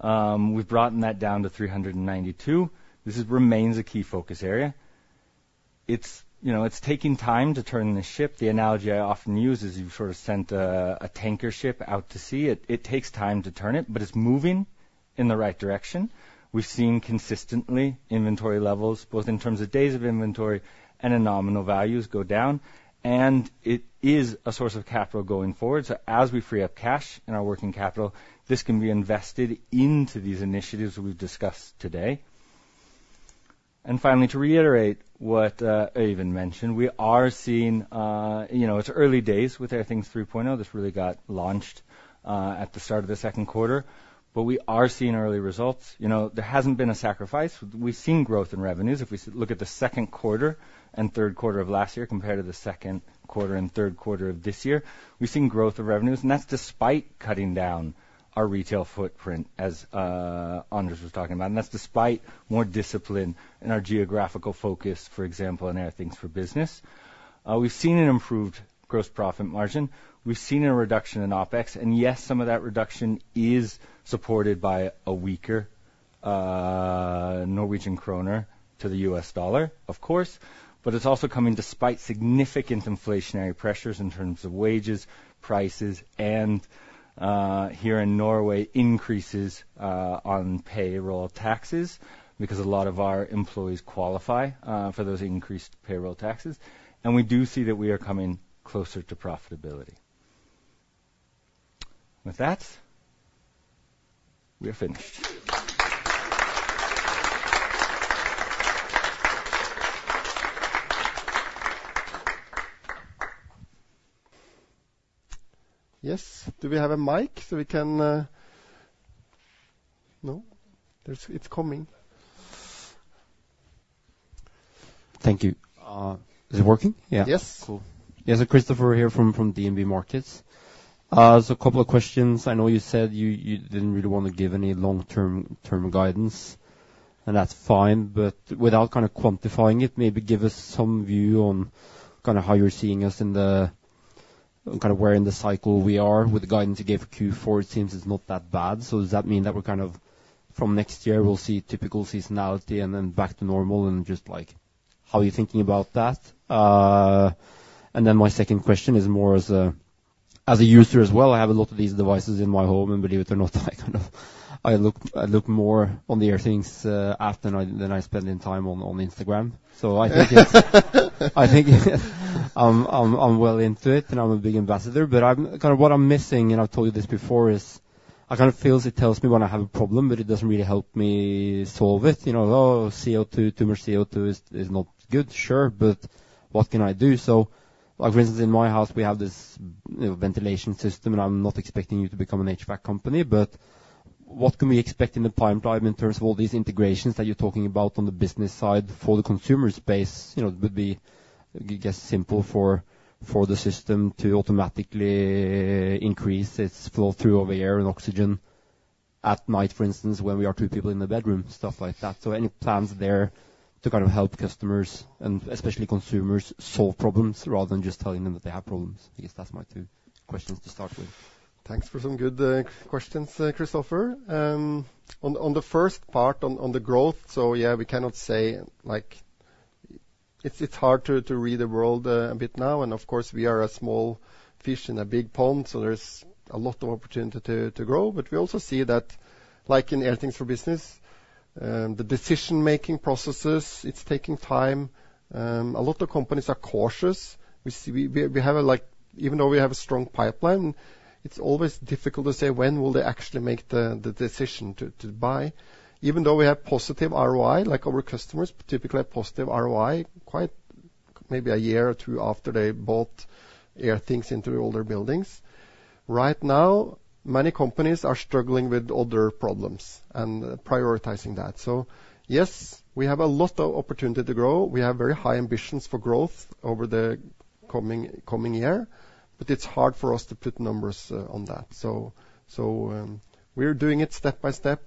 We've broadened that down to 392. This remains a key focus area. It's, you know, it's taking time to turn the ship. The analogy I often use is you've sort of sent a tanker ship out to sea. It takes time to turn it, but it's moving in the right direction. We've seen consistently inventory levels, both in terms of days of inventory and in nominal values, go down, and it is a source of capital going forward. So as we free up cash in our working capital, this can be invested into these initiatives that we've discussed today. And finally, to reiterate what Øyvind mentioned, we are seeing... You know, it's early days with Airthings 3.0. This really got launched at the start of the second quarter, but we are seeing early results. You know, there hasn't been a sacrifice. We've seen growth in revenues. If we look at the second quarter and third quarter of last year compared to the second quarter and third quarter of this year, we've seen growth of revenues, and that's despite cutting down our retail footprint, as Anders was talking about. And that's despite more discipline in our geographical focus, for example, in Airthings for Business. We've seen an improved gross profit margin. We've seen a reduction in OpEx, and yes, some of that reduction is supported by a weaker Norwegian kroner to the U.S. dollar, of course, but it's also coming despite significant inflationary pressures in terms of wages, prices, and here in Norway, increases on payroll taxes, because a lot of our employees qualify for those increased payroll taxes, and we do see that we are coming closer to profitability. With that, we are finished. Yes. Do we have a mic so we can? No? There's-- It's coming. Thank you. Is it working? Yeah. Yes. Cool. Yes, Christoffer here from DNB Markets. So a couple of questions. I know you said you didn't really want to give any long-term guidance, and that's fine. But without kind of quantifying it, maybe give us some view on kind of how you're seeing us in the, kind of where in the cycle we are. With the guidance you gave for Q4, it seems it's not that bad. So does that mean that we're kind of from next year, we'll see typical seasonality and then back to normal and just like... How are you thinking about that? And then my second question is more as a user as well. I have a lot of these devices in my home, and believe it or not, I kind of look more on the Airthings app than I spend any time on Instagram. So I think it's, I think I'm well into it, and I'm a big ambassador, but kind of what I'm missing, and I've told you this before, is it kind of feels it tells me when I have a problem, but it doesn't really help me solve it. You know, oh, CO2, too much CO2 is not good. Sure, but what can I do? So like, for instance, in my house, we have this, you know, ventilation system, and I'm not expecting you to become an HVAC company, but what can we expect in the time frame in terms of all these integrations that you're talking about on the business side for the consumer space? You know, it would be, I guess, simple for, for the system to automatically increase its flow through of air and oxygen at night, for instance, when we are two people in the bedroom, stuff like that. So any plans there to kind of help customers and especially consumers, solve problems rather than just telling them that they have problems? I guess that's my two questions to start with. Thanks for some good questions, Christoffer. On the first part, on the growth, so, yeah, we cannot say like... It's hard to read the world a bit now. And of course, we are a small fish in a big pond, so there's a lot of opportunity to grow. But we also see that, like in Airthings for Business, the decision-making processes, it's taking time. A lot of companies are cautious. We see, we have a strong pipeline, it's always difficult to say when will they actually make the decision to buy. Even though we have positive ROI, like our customers typically have positive ROI, quite maybe a year or two after they bought Airthings into all their buildings. Right now, many companies are struggling with other problems and prioritizing that. So yes, we have a lot of opportunity to grow. We have very high ambitions for growth over the coming year, but it's hard for us to put numbers on that. So, we're doing it step by step,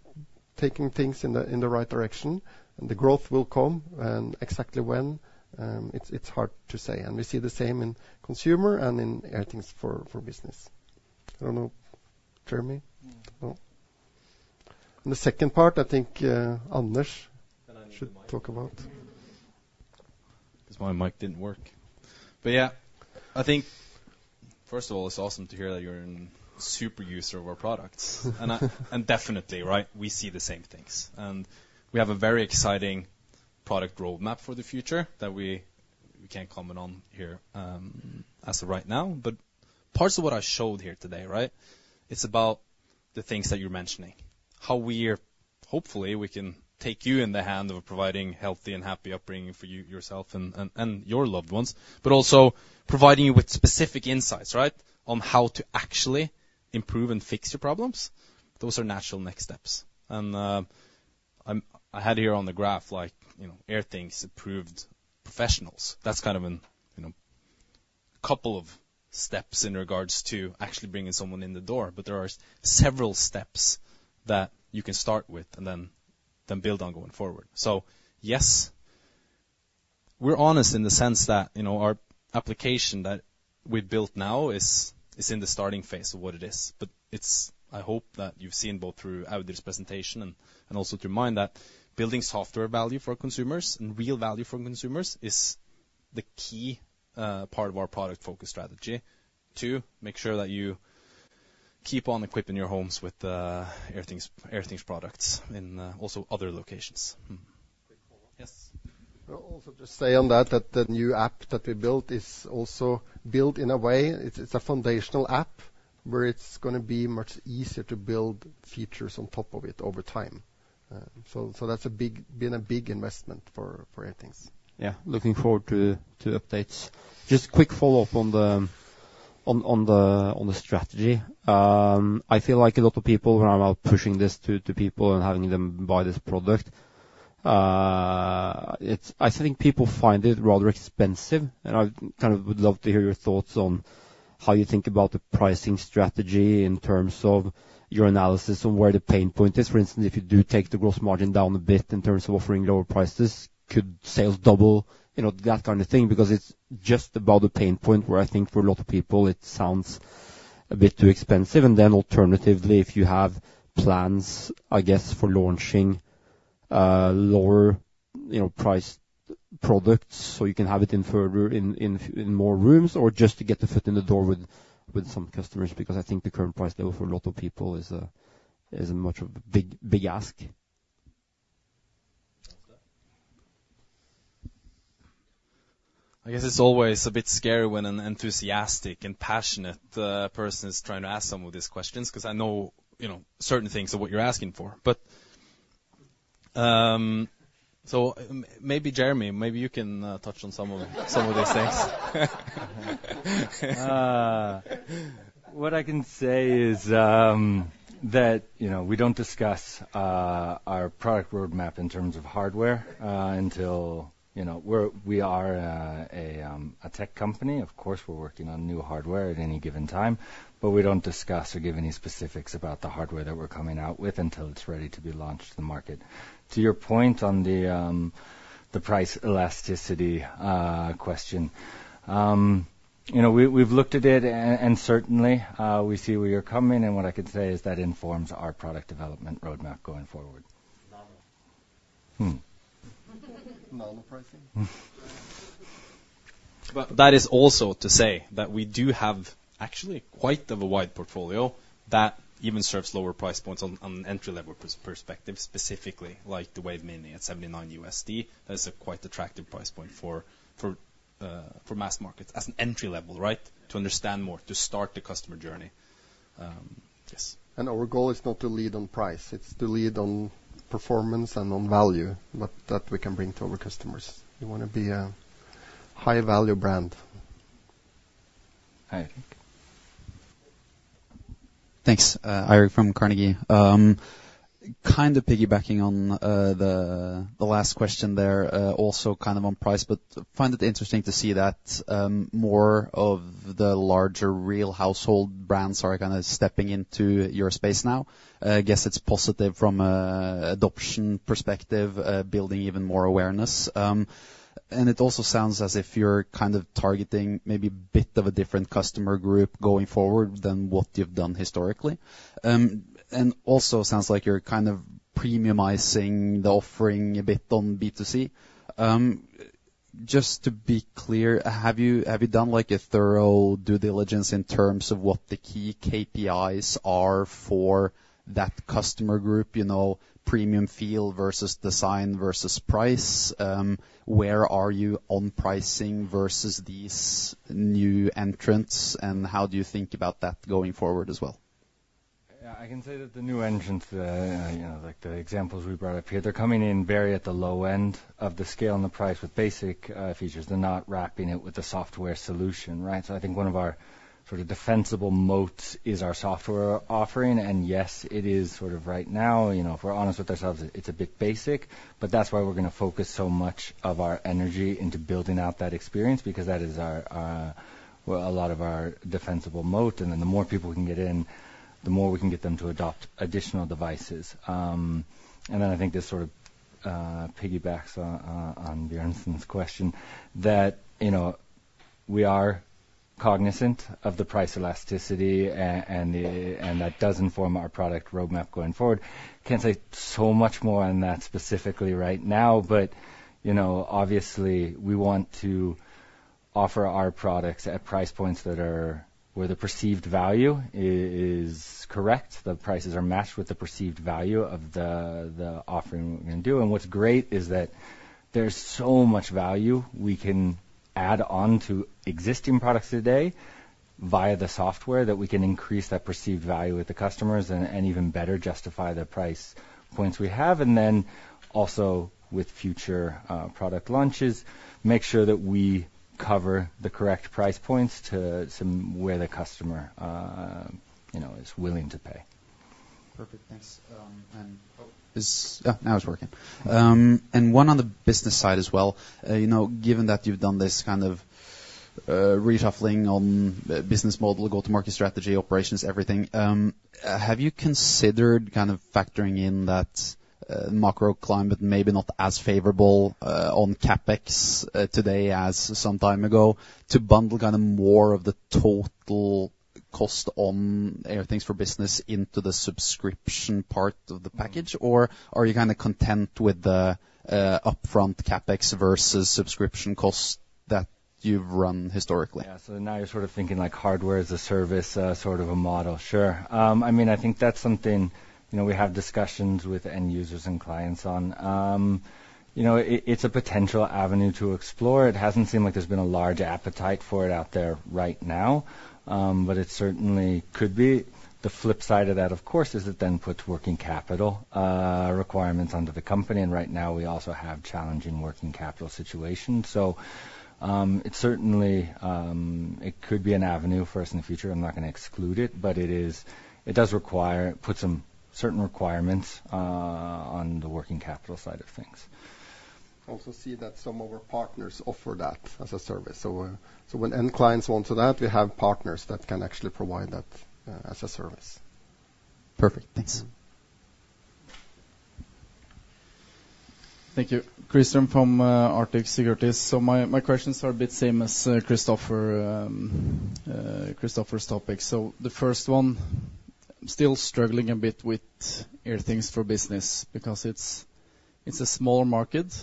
taking things in the right direction, and the growth will come and exactly when it's hard to say. And we see the same in consumer and in Airthings for business. I don't know, Jeremy? No. No. And the second part, I think, Anders- Can I have the mic? should talk about. Because my mic didn't work. But yeah, I think, first of all, it's awesome to hear that you're a super user of our products. And definitely, right? We see the same things. And we have a very exciting product roadmap for the future that we can't comment on here as of right now. But parts of what I showed here today, right? It's about the things that you're mentioning, how we are hopefully we can take you in the hand of providing healthy and happy upbringing for you, yourself, and your loved ones, but also providing you with specific insights, right, on how to actually improve and fix your problems. Those are natural next steps. And I had here on the graph, like, you know, Airthings approved professionals. That's kind of a, you know, couple of steps in regards to actually bringing someone in the door, but there are several steps that you can start with and then build on going forward. So yes, we're honest in the sense that, you know, our application that we built now is in the starting phase of what it is. But it's... I hope that you've seen both through Audhild's presentation and also through mine, that building software value for consumers and real value for consumers is the key part of our product focus strategy. Two, make sure that you keep on equipping your homes with Airthings, Airthings products in also other locations. Quick follow-up. Yes. I'll also just say on that, that the new app that we built is also built in a way, it's a foundational app, where it's gonna be much easier to build features on top of it over time. So that's been a big investment for Airthings. Yeah, looking forward to updates. Just a quick follow-up on the strategy. I feel like a lot of people who are out pushing this to people and having them buy this product, it's. I think people find it rather expensive, and I kind of would love to hear your thoughts on how you think about the pricing strategy in terms of your analysis on where the pain point is. For instance, if you do take the gross margin down a bit in terms of offering lower prices, could sales double? You know, that kind of thing, because it's just about the pain point where I think for a lot of people, it sounds a bit too expensive. And then alternatively, if you have plans, I guess, for launching lower, you know, priced products, so you can have it further in more rooms, or just to get the foot in the door with some customers, because I think the current price level for a lot of people is a much of a big ask. I guess it's always a bit scary when an enthusiastic and passionate person is trying to ask some of these questions, 'cause I know, you know, certain things of what you're asking for, but... Maybe Jeremy, maybe you can touch on some of the, some of these things. What I can say is that, you know, we don't discuss our product roadmap in terms of hardware until, you know... We are a tech company. Of course, we're working on new hardware at any given time, but we don't discuss or give any specifics about the hardware that we're coming out with until it's ready to be launched to the market. To your point on the price elasticity question, you know, we, we've looked at it, and certainly we see where you're coming, and what I can say is that informs our product development roadmap going forward. Normal. Hmm. Normal pricing? Hmm. But that is also to say that we do have actually quite a wide portfolio that even serves lower price points on an entry-level perspective, specifically like the Wave Mini at $79. That is a quite attractive price point for mass markets as an entry level, right? To understand more, to start the customer journey. Our goal is not to lead on price, it's to lead on performance and on value, but that we can bring to our customers. We wanna be a high-value brand. Eirik. Thanks. Eirik from Carnegie. Kind of piggybacking on the last question there, also kind of on price, but find it interesting to see that more of the larger real household brands are kinda stepping into your space now. I guess it's positive from adoption perspective, building even more awareness. And it also sounds as if you're kind of targeting maybe a bit of a different customer group going forward than what you've done historically. And also sounds like you're kind of premiumizing the offering a bit on B2C. Just to be clear, have you done like a thorough due diligence in terms of what the key KPIs are for that customer group? You know, premium feel versus design versus price. Where are you on pricing versus these new entrants, and how do you think about that going forward as well? Yeah, I can say that the new entrants, you know, like the examples we brought up here, they're coming in very at the low end of the scale and the price with basic, features. They're not wrapping it with a software solution, right? So I think one of our sort of defensible moats is our software offering. And yes, it is sort of right now, you know, if we're honest with ourselves, it's a bit basic, but that's why we're gonna focus so much of our energy into building out that experience, because that is our... Well, a lot of our defensible moat. And then the more people we can get in, the more we can get them to adopt additional devices. And then I think this sort of piggybacks on on Bjørnsen's question, that, you know, we are cognizant of the price elasticity and the. And that does inform our product roadmap going forward. Can't say so much more on that specifically right now, but, you know, obviously, we want to offer our products at price points that are, where the perceived value is correct, the prices are matched with the perceived value of the, the offering we're gonna do. And what's great is that there's so much value we can add on to existing products today via the software, that we can increase that perceived value with the customers and, and even better justify the price points we have. And then also with future product launches, make sure that we cover the correct price points to somewhere the customer, you know, is willing to pay. Perfect. Thanks. Oh, Yeah, now it's working. And one on the business side as well. You know, given that you've done this kind of reshuffling on the business model, go-to-market strategy, operations, everything, have you considered kind of factoring in that macroclimate, maybe not as favorable on CapEx today as some time ago, to bundle kind of more of the total cost on Airthings for Business into the subscription part of the package? Or are you kinda content with the upfront CapEx versus subscription costs that you've run historically? Yeah. So now you're sort of thinking, like, hardware as a service, sort of a model. Sure. I mean, I think that's something, you know, we have discussions with end users and clients on. You know, it, it's a potential avenue to explore. It hasn't seemed like there's been a large appetite for it out there right now, but it certainly could be. The flip side of that, of course, is it then puts working capital requirements onto the company, and right now we also have challenging working capital situation. So, it certainly could be an avenue for us in the future. I'm not gonna exclude it, but it is - it does require putting some certain requirements on the working capital side of things. Also see that some of our partners offer that as a service. So when end clients want to that, we have partners that can actually provide that as a service. Perfect. Thanks. Thank you. Kristian from Arctic Securities. So my questions are a bit same as Christoffer's topic. So the first one, still struggling a bit with Airthings for Business, because it's a small market,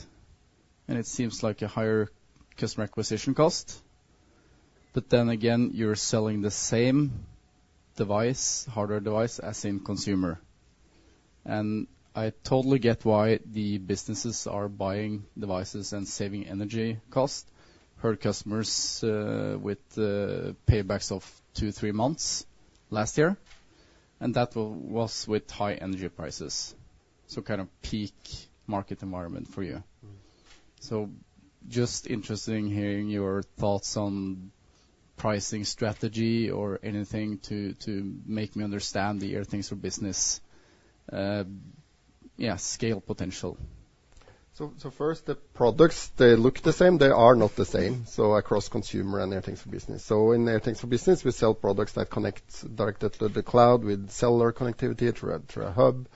and it seems like a higher customer acquisition cost. But then again, you're selling the same device, hardware device, as in consumer. And I totally get why the businesses are buying devices and saving energy cost. Heard customers with paybacks of two to three months last year, and that was with high energy prices, so kind of peak market environment for you. So just interesting hearing your thoughts on pricing strategy or anything to make me understand the Airthings for Business scale potential. So first, the products, they look the same, they are not the same, so across Consumer and Airthings for Business. So in Airthings for Business, we sell products that connect directly to the cloud with cellular connectivity through a Hub,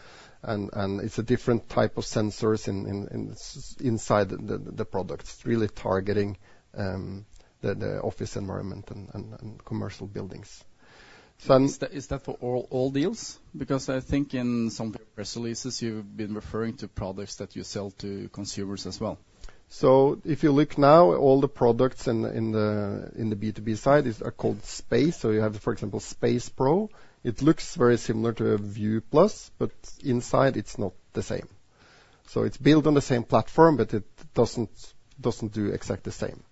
and it's a different type of sensors inside the products, really targeting the office environment and commercial buildings. Then- Is that for all deals? Because I think in some of your press releases, you've been referring to products that you sell to consumers as well. So if you look now, all the products in the B2B side are called Space. So you have, for example, Space Pro. It looks very similar to a View Plus, but inside it's not the same. So it's built on the same platform, but it doesn't do exactly the same.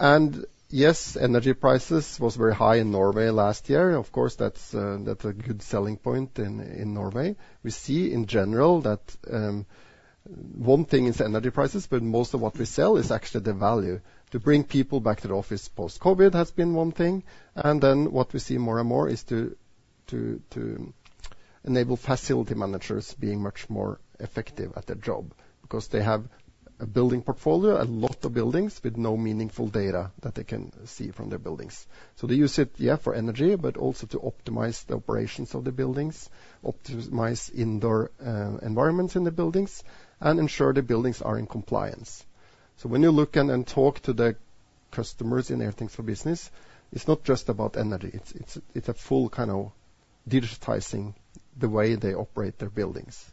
And yes, energy prices was very high in Norway last year. Of course, that's a good selling point in Norway. We see in general that one thing is energy prices, but most of what we sell is actually the value. To bring people back to the office post-COVID has been one thing, and then what we see more and more is to enable facility managers being much more effective at their job. Because they have a building portfolio, a lot of buildings with no meaningful data that they can see from their buildings. So they use it, yeah, for energy, but also to optimize the operations of the buildings, optimize indoor environments in the buildings, and ensure the buildings are in compliance. So when you look and talk to the customers in Airthings for Business, it's not just about energy. It's, it's a full kind of digitizing the way they operate their buildings,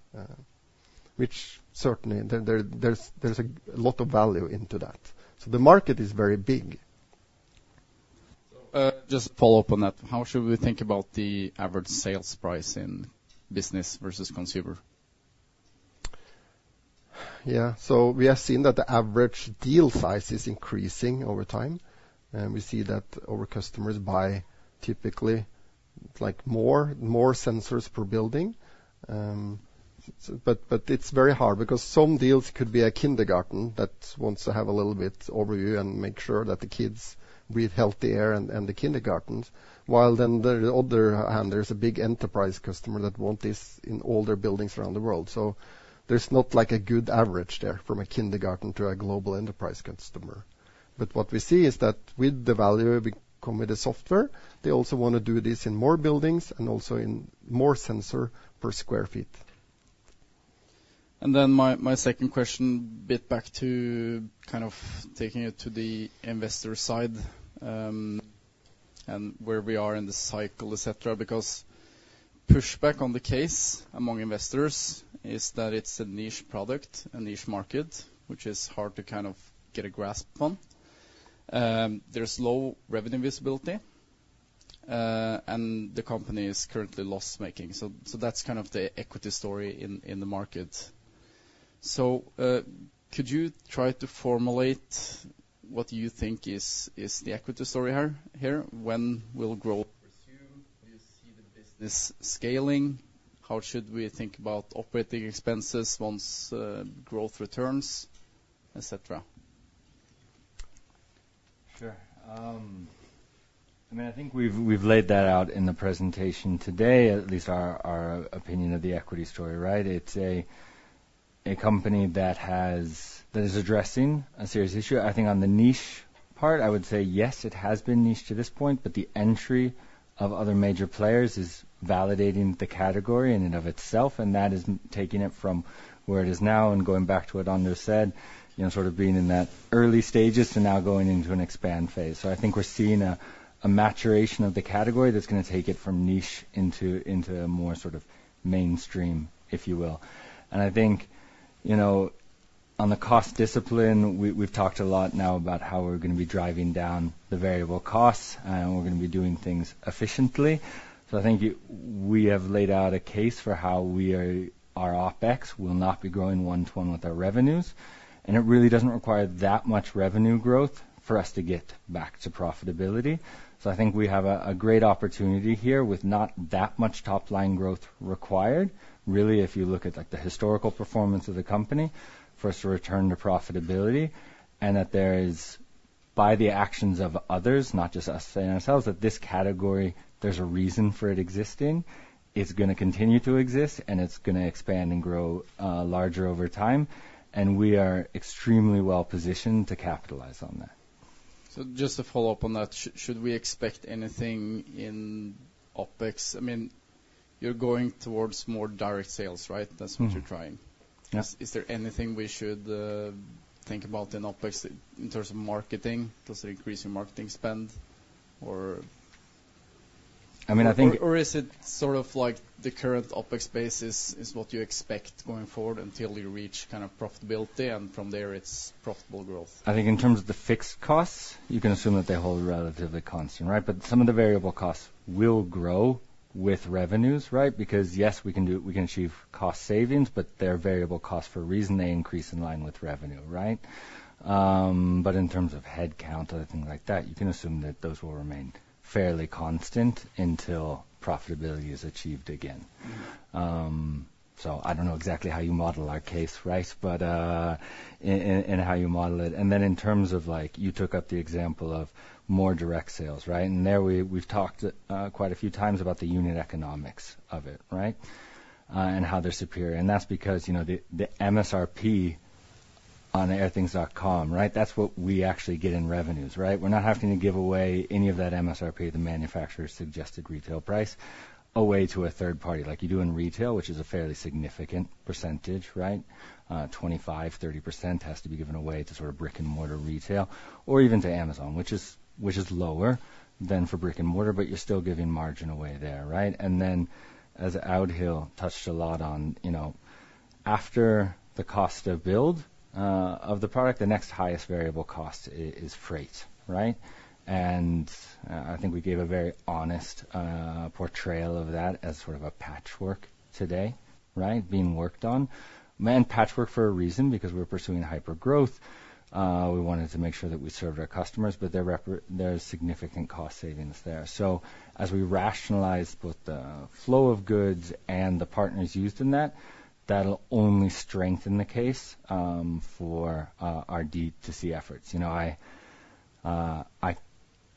which certainly there's a lot of value into that. So the market is very big. Just follow up on that. How should we think about the average sales price in business versus consumer? Yeah. So we have seen that the average deal size is increasing over time, and we see that our customers buy typically, like, more sensors per building. But it's very hard because some deals could be a kindergarten that wants to have a little bit overview and make sure that the kids breathe healthy air in the kindergartens. While on the other hand, there's a big enterprise customer that want this in all their buildings around the world. So there's not like a good average there from a kindergarten to a global enterprise customer. But what we see is that with the value we come with the software, they also want to do this in more buildings and also in more sensor per square feet. And then my second question, a bit back to kind of taking it to the investor side, and where we are in the cycle, etc., because pushback on the case among investors is that it's a niche product, a niche market, which is hard to kind of get a grasp on. There's low revenue visibility, and the company is currently loss-making. So that's kind of the equity story in the market. So could you try to formulate what you think is the equity story here? When will growth resume? Do you see the business scaling? How should we think about operating expenses once growth returns, etc.? Sure. I mean, I think we've laid that out in the presentation today, at least our opinion of the equity story, right? It's a company that has... That is addressing a serious issue. I think on the niche part, I would say, yes, it has been niche to this point, but the entry of other major players is validating the category in and of itself, and that is taking it from where it is now and going back to what Anders said, you know, sort of being in that early stages to now going into an expand phase. So I think we're seeing a maturation of the category that's gonna take it from niche into a more sort of mainstream, if you will. I think, you know, on the cost discipline, we, we've talked a lot now about how we're gonna be driving down the variable costs, and we're gonna be doing things efficiently. So I think we have laid out a case for how we are, our OpEx will not be growing 1-to-1 with our revenues, and it really doesn't require that much revenue growth for us to get back to profitability. So I think we have a, a great opportunity here with not that much top-line growth required. Really, if you look at, like, the historical performance of the company, for us to return to profitability, and that there is, by the actions of others, not just us saying ourselves, that this category, there's a reason for it existing. It's gonna continue to exist, and it's gonna expand and grow larger over time, and we are extremely well positioned to capitalize on that. Just to follow up on that, should we expect anything in OpEx? I mean, you're going towards more direct sales, right? That's what you're trying. Yes. Is there anything we should think about in OpEx in terms of marketing? Does it increase your marketing spend or- I mean, I think- Or is it sort of like the current OpEx basis is what you expect going forward until you reach kind of profitability, and from there it's profitable growth? I think in terms of the fixed costs, you can assume that they hold relatively constant, right? But some of the variable costs will grow with revenues, right? Because, yes, we can do... We can achieve cost savings, but they're variable costs for a reason. They increase in line with revenue, right? But in terms of headcount or anything like that, you can assume that those will remain fairly constant until profitability is achieved again. So I don't know exactly how you model our case, right? But, and, and how you model it. And then in terms of like, you took up the example of more direct sales, right? And there we've talked, quite a few times about the unit economics of it, right? and how they're superior. And that's because, you know, the, the MSRP on Airthings.com, right? That's what we actually get in revenues, right? We're not having to give away any of that MSRP, the manufacturer's suggested retail price, away to a third party like you do in retail, which is a fairly significant percentage, right? 25%-30% has to be given away to sort of brick-and-mortar retail or even to Amazon, which is, which is lower than for brick and mortar, but you're still giving margin away there, right? And then, as Audhild touched a lot on, you know, after the cost of build of the product, the next highest variable cost is freight, right? And I think we gave a very honest portrayal of that as sort of a patchwork today, right? Being worked on. And patchwork for a reason, because we're pursuing hypergrowth. We wanted to make sure that we served our customers, but there are significant cost savings there. So as we rationalize both the flow of goods and the partners used in that, that'll only strengthen the case for our D2C efforts. You know, I,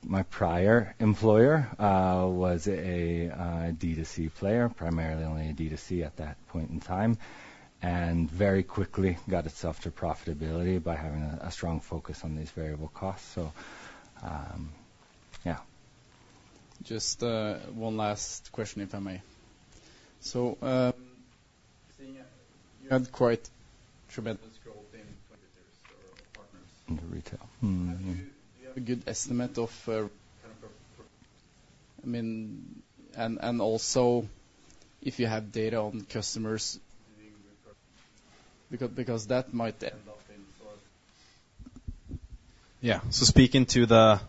my prior employer was a D2C player, primarily only a D2C at that point in time, and very quickly got itself to profitability by having a strong focus on these variable costs. So, yeah. Just, one last question, if I may. So, seeing you had quite tremendous growth in competitors or partners- In retail. Mm-hmm. Do you have a good estimate of, kind of... I mean, and also if you have data on customers, because that might end up in sort of- Yeah. So speaking to the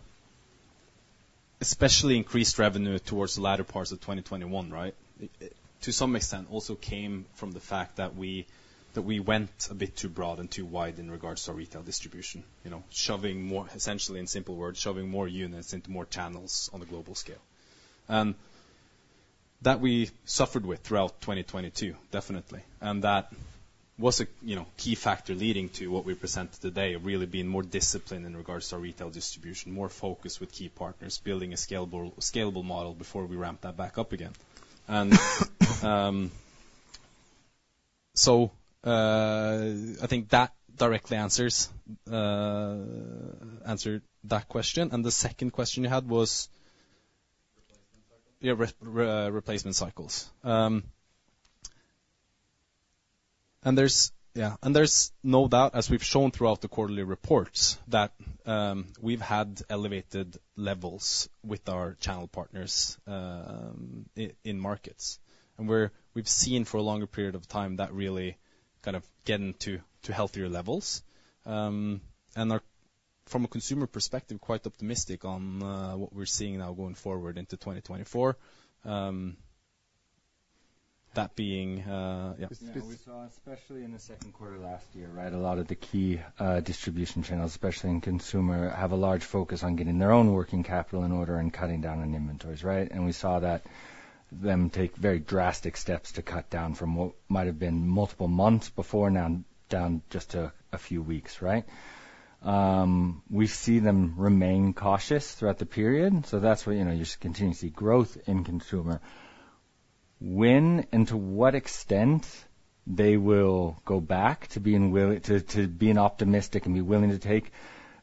especially increased revenue towards the latter parts of 2021, right? It to some extent also came from the fact that we went a bit too broad and too wide in regards to our retail distribution. You know, shoving more, essentially, in simple words, shoving more units into more channels on a global scale. And that we suffered with throughout 2022, definitely. And that was a, you know, key factor leading to what we presented today, really being more disciplined in regards to our retail distribution, more focused with key partners, building a scalable, scalable model before we ramp that back up again. And so I think that directly answers, answered that question. And the second question you had was? Replacement cycles. Yeah, replacement cycles. And there's... Yeah, and there's no doubt, as we've shown throughout the quarterly reports, that we've had elevated levels with our channel partners in markets. And we've seen for a longer period of time that really kind of getting to healthier levels. And are from a consumer perspective quite optimistic on what we're seeing now going forward into 2024. That being, yeah. Yeah, we saw, especially in the second quarter of last year, right? A lot of the key distribution channels, especially in consumer, have a large focus on getting their own working capital in order and cutting down on inventories, right? And we saw that them take very drastic steps to cut down from what might have been multiple months before, now down just to a few weeks, right? We see them remain cautious throughout the period, so that's why, you know, you just continue to see growth in consumer. When and to what extent they will go back to being willing to being optimistic and be willing to take,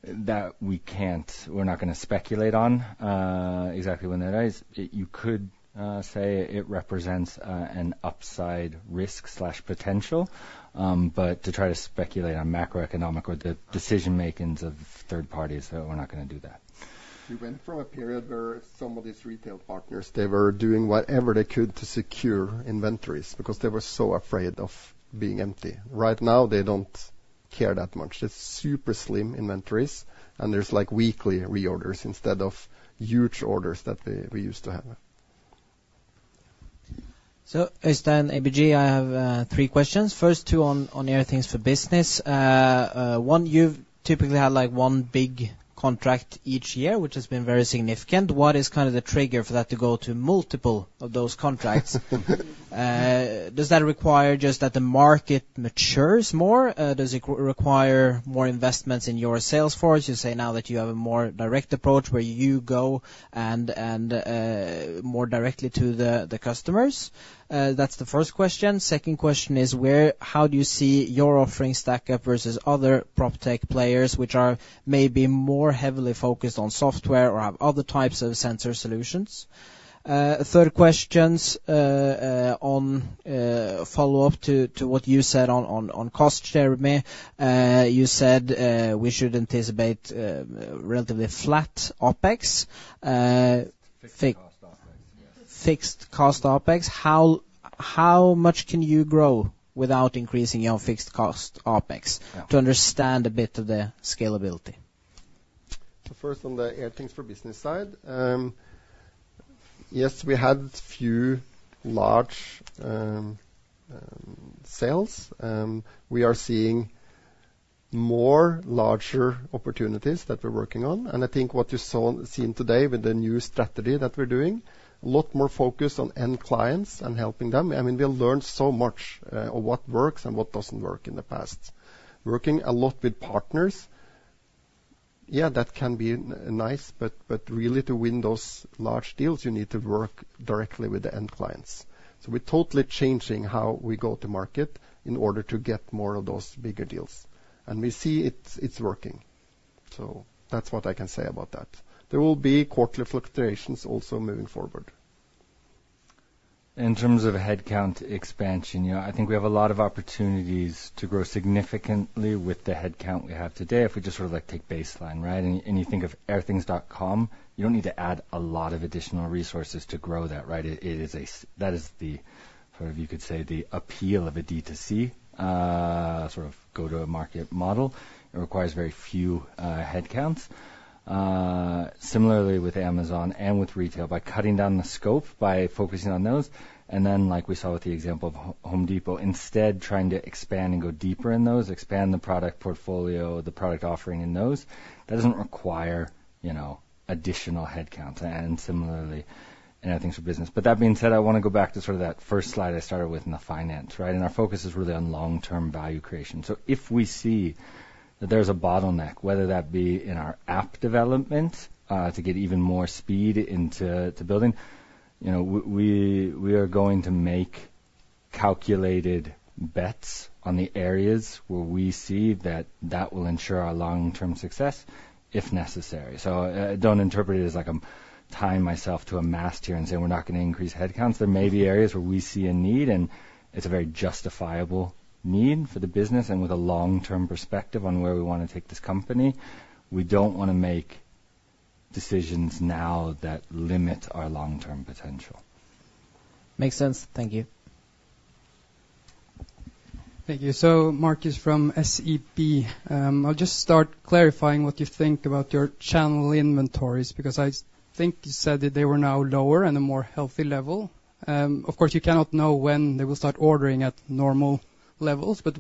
that we can't... We're not gonna speculate on exactly when that is. You could say it represents an upside risk/potential, but to try to speculate on macroeconomic or the decision-makings of third parties, we're not gonna do that. We went from a period where some of these retail partners, they were doing whatever they could to secure inventories because they were so afraid of being empty. Right now, they don't care that much. It's super slim inventories, and there's like weekly reorders instead of huge orders that we used to have. Øystein, ABG. I have three questions. First, two on Airthings for Business. One, you've typically had, like, one big contract each year, which has been very significant. What is kind of the trigger for that to go to multiple of those contracts? Does that require just that the market matures more? Does it require more investments in your sales force? You say now that you have a more direct approach, where you go more directly to the customers. That's the first question. Second question is, how do you see your offering stack up versus other PropTech players, which are maybe more heavily focused on software or have other types of sensor solutions? Third question is on follow-up to what you said on cost share with me. You said we should anticipate relatively flat OpEx. Fixed cost OpEx. Fixed-cost OpEx. How, how much can you grow without increasing your fixed-cost OpEx? Yeah. To understand a bit of the scalability. So first, on the Airthings for Business side. Yes, we had a few large sales, and we are seeing more larger opportunities that we're working on, and I think what you saw today with the new strategy that we're doing, a lot more focus on end clients and helping them. I mean, we've learned so much on what works and what doesn't work in the past. Working a lot with partners, yeah, that can be nice, but really, to win those large deals, you need to work directly with the end clients. So we're totally changing how we go to market in order to get more of those bigger deals. And we see it's working. So that's what I can say about that. There will be quarterly fluctuations also moving forward. In terms of headcount expansion, yeah, I think we have a lot of opportunities to grow significantly with the headcount we have today, if we just sort of, like, take baseline, right? And, and you think of Airthings.com, you don't need to add a lot of additional resources to grow that, right? It, it is... That is the, sort of, you could say, the appeal of a D2C, sort of go-to-market model. It requires very few headcounts. Similarly with Amazon and with retail, by cutting down the scope, by focusing on those, and then, like we saw with the example of Home Depot, instead trying to expand and go deeper in those, expand the product portfolio, the product offering in those, that doesn't require, you know, additional headcounts, and similarly, and I think for business. But that being said, I wanna go back to sort of that first slide I started with in the finance, right? And our focus is really on long-term value creation. So if we see that there's a bottleneck, whether that be in our app development, to get even more speed into to building, you know, we are going to make calculated bets on the areas where we see that that will ensure our long-term success if necessary. So, don't interpret it as like I'm tying myself to a mast here and saying we're not gonna increase headcounts. There may be areas where we see a need, and it's a very justifiable need for the business, and with a long-term perspective on where we wanna take this company. We don't wanna make decisions now that limit our long-term potential. Makes sense. Thank you. Thank you. So Markus from SEB. I'll just start clarifying what you think about your channel inventories, because I think you said that they were now lower and a more healthy level. Of course, you cannot know when they will start ordering at normal levels, but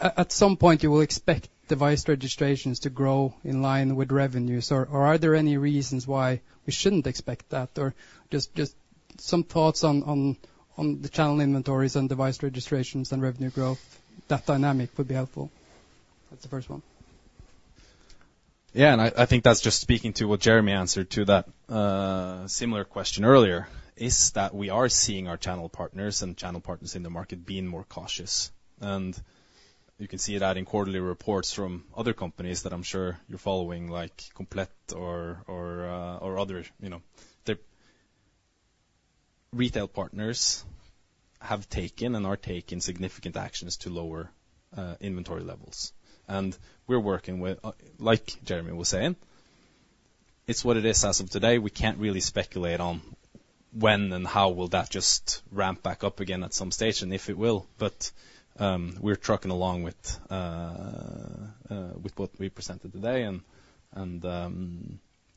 at some point, you will expect device registrations to grow in line with revenues. Or are there any reasons why we shouldn't expect that? Or just some thoughts on the channel inventories and device registrations and revenue growth, that dynamic would be helpful. That's the first one. Yeah, and I think that's just speaking to what Jeremy answered to that similar question earlier, is that we are seeing our channel partners and channel partners in the market being more cautious. And you can see that in quarterly reports from other companies that I'm sure you're following, like Komplett or other, you know. The retail partners have taken and are taking significant actions to lower inventory levels, and we're working with... Like Jeremy was saying, it's what it is. As of today, we can't really speculate on when and how that will just ramp back up again at some stage, and if it will. But we're trucking along with what we presented today and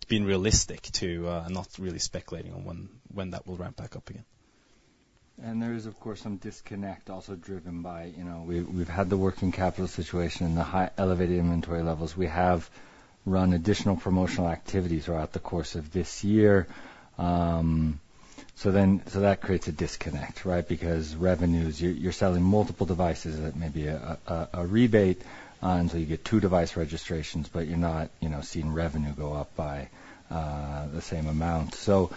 being realistic to not really speculating on when that will ramp back up again. And there is, of course, some disconnect also driven by, you know, we've, we've had the working capital situation and the high elevated inventory levels. We have run additional promotional activities throughout the course of this year. So that creates a disconnect, right? Because revenues, you're selling multiple devices that may be a rebate on, so you get two device registrations, but you're not, you know, seeing revenue go up by the same amount. So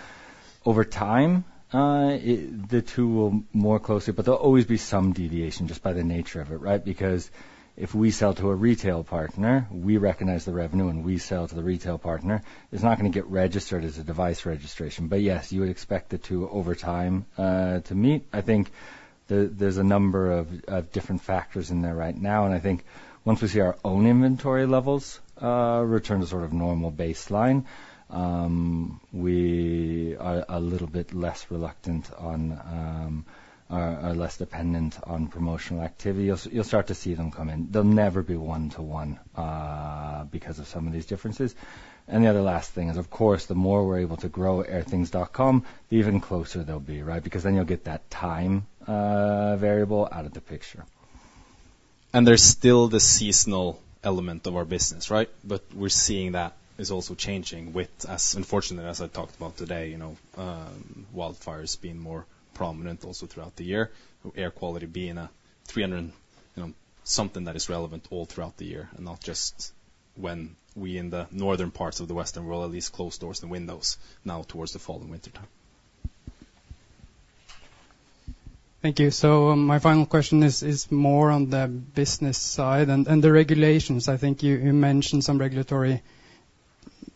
over time, it... the two will more closely, but there'll always be some deviation just by the nature of it, right? Because if we sell to a retail partner, we recognize the revenue, and we sell to the retail partner, it's not gonna get registered as a device registration. But yes, you would expect the two over time to meet. I think there, there's a number of different factors in there right now, and I think once we see our own inventory levels return to sort of normal baseline, we are a little bit less reluctant on, are less dependent on promotional activity. You'll start to see them come in. They'll never be one to one, because of some of these differences. And the other last thing is, of course, the more we're able to grow Airthings.com, the even closer they'll be, right? Because then you'll get that time variable out of the picture. There's still the seasonal element of our business, right? But we're seeing that is also changing with us. Unfortunately, as I talked about today, you know, wildfires being more prominent also throughout the year, air quality being a 300 and, you know, something that is relevant all throughout the year, and not just when we in the northern parts of the western world, at least, close doors and windows now towards the fall and wintertime. Thank you. So my final question is more on the business side and the regulations. I think you mentioned some regulatory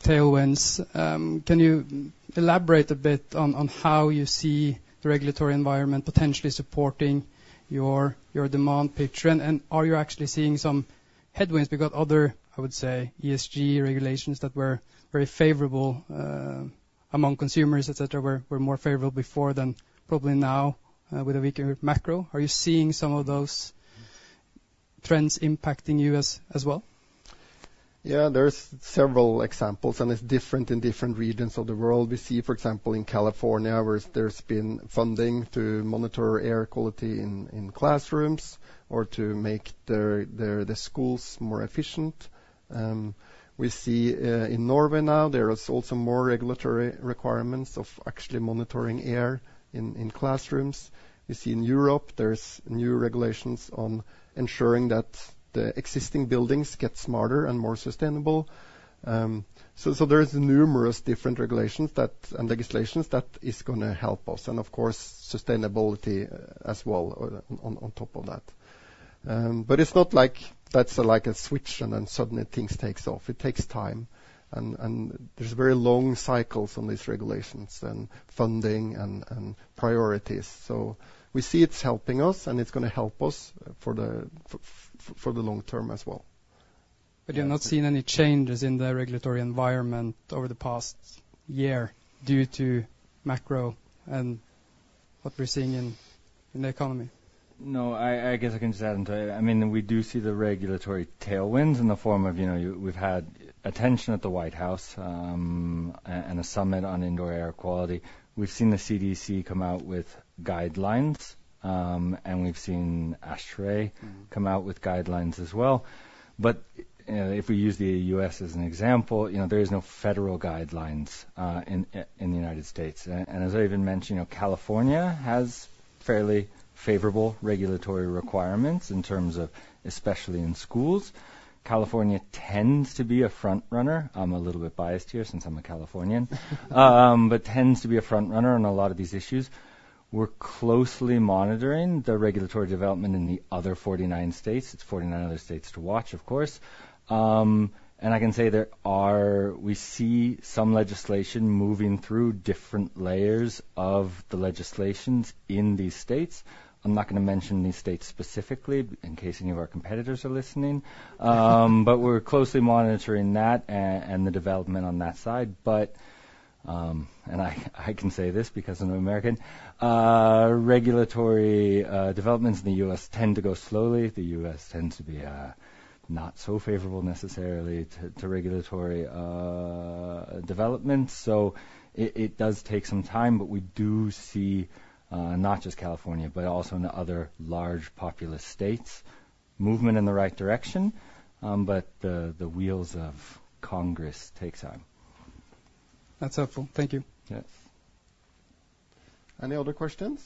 tailwinds. Can you elaborate a bit on how you see the regulatory environment potentially supporting your demand picture? And are you actually seeing some headwinds? Because other, I would say, ESG regulations that were very favorable among consumers, et cetera, were more favorable before than probably now with a weaker macro. Are you seeing some of those trends impacting you as well? Yeah, there's several examples, and it's different in different regions of the world. We see, for example, in California, where there's been funding to monitor air quality in classrooms or to make the schools more efficient. We see in Norway now, there is also more regulatory requirements of actually monitoring air in classrooms. We see in Europe, there's new regulations on ensuring that the existing buildings get smarter and more sustainable. So there's numerous different regulations that and legislations that is gonna help us, and of course, sustainability as well on top of that. But it's not like that's like a switch, and then suddenly things takes off. It takes time, and there's very long cycles on these regulations and funding and priorities. We see it's helping us, and it's gonna help us for the long term as well. But you've not seen any changes in the regulatory environment over the past year due to macro and what we're seeing in the economy? No, I guess I can just add into it. I mean, we do see the regulatory tailwinds in the form of, you know, we've had attention at the White House, and a summit on indoor air quality. We've seen the CDC come out with guidelines, and we've seen ASHRAE come out with guidelines as well. But, if we use the U.S. as an example, you know, there is no federal guidelines, in, in the United States. And as I even mentioned, you know, California has fairly favorable regulatory requirements in terms of, especially in schools. California tends to be a front runner. I'm a little bit biased here since I'm a Californian, but tends to be a front runner on a lot of these issues. We're closely monitoring the regulatory development in the other 49 states. It's 49 other states to watch, of course. I can say there are. We see some legislation moving through different layers of the legislations in these states. I'm not gonna mention these states specifically, in case any of our competitors are listening. But we're closely monitoring that, and the development on that side. I can say this because I'm an American, regulatory developments in the U.S. tend to go slowly. The U.S. tends to be not so favorable necessarily to regulatory developments. So it does take some time, but we do see not just California, but also in the other large populous states, movement in the right direction, but the wheels of Congress take time. That's helpful. Thank you. Yes. Any other questions?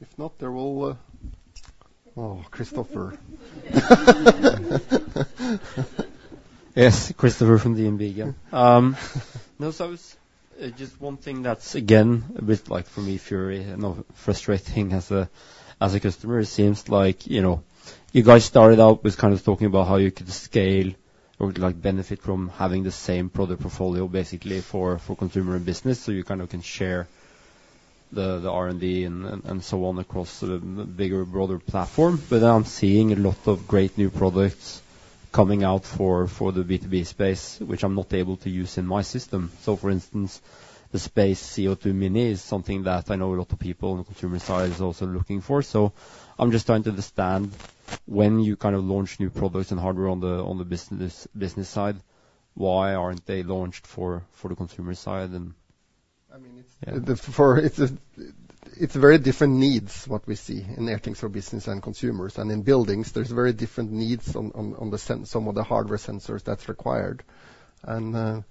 If not, there will... Oh, Christoffer. Yes, Christoffer from DNB again. No, so just one thing that's, again, a bit like for me, very, you know, frustrating as a customer. It seems like, you know, you guys started out with kind of talking about how you could scale or, like, benefit from having the same product portfolio basically for consumer and business. So you kind of can share the R&D and so on across the bigger, broader platform. But I'm seeing a lot of great new products coming out for the B2B space, which I'm not able to use in my system. So for instance, the Space CO2 Mini is something that I know a lot of people on the consumer side is also looking for. So I'm just trying to understand when you kind of launch new products and hardware on the, on the business, business side, why aren't they launched for, for the consumer side and- I mean, it's- Yeah. It's very different needs, what we see in Airthings for Business and consumers, and in buildings, there's very different needs on some of the hardware sensors that's required. And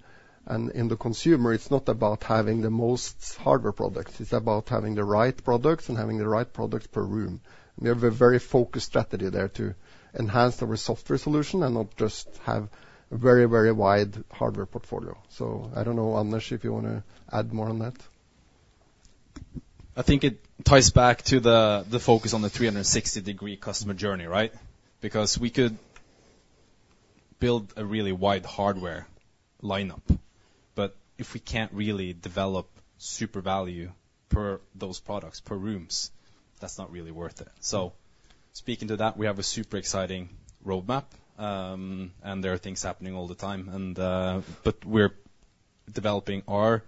in the consumer, it's not about having the most hardware products. It's about having the right products and having the right products per room. We have a very focused strategy there to enhance our software solution and not just have a very, very wide hardware portfolio. So I don't know, Anders, if you want to add more on that. I think it ties back to the focus on the 360-degree customer journey, right? Because we could build a really wide hardware lineup, but if we can't really develop super value per those products, per rooms, that's not really worth it. So speaking to that, we have a super exciting roadmap, and there are things happening all the time. But we're developing our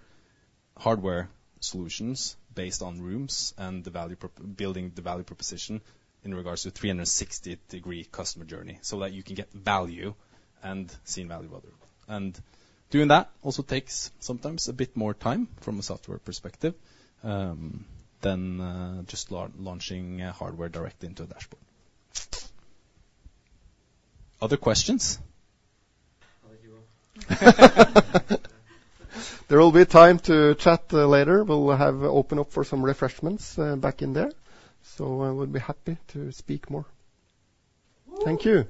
hardware solutions based on rooms and the value prop, building the value proposition in regards to 360-degree customer journey, so that you can get value and see value out of it. And doing that also takes sometimes a bit more time from a software perspective, than just launching hardware directly into a dashboard. Other questions? There will be time to chat, later. We'll have open up for some refreshments, back in there, so I would be happy to speak more. Thank you.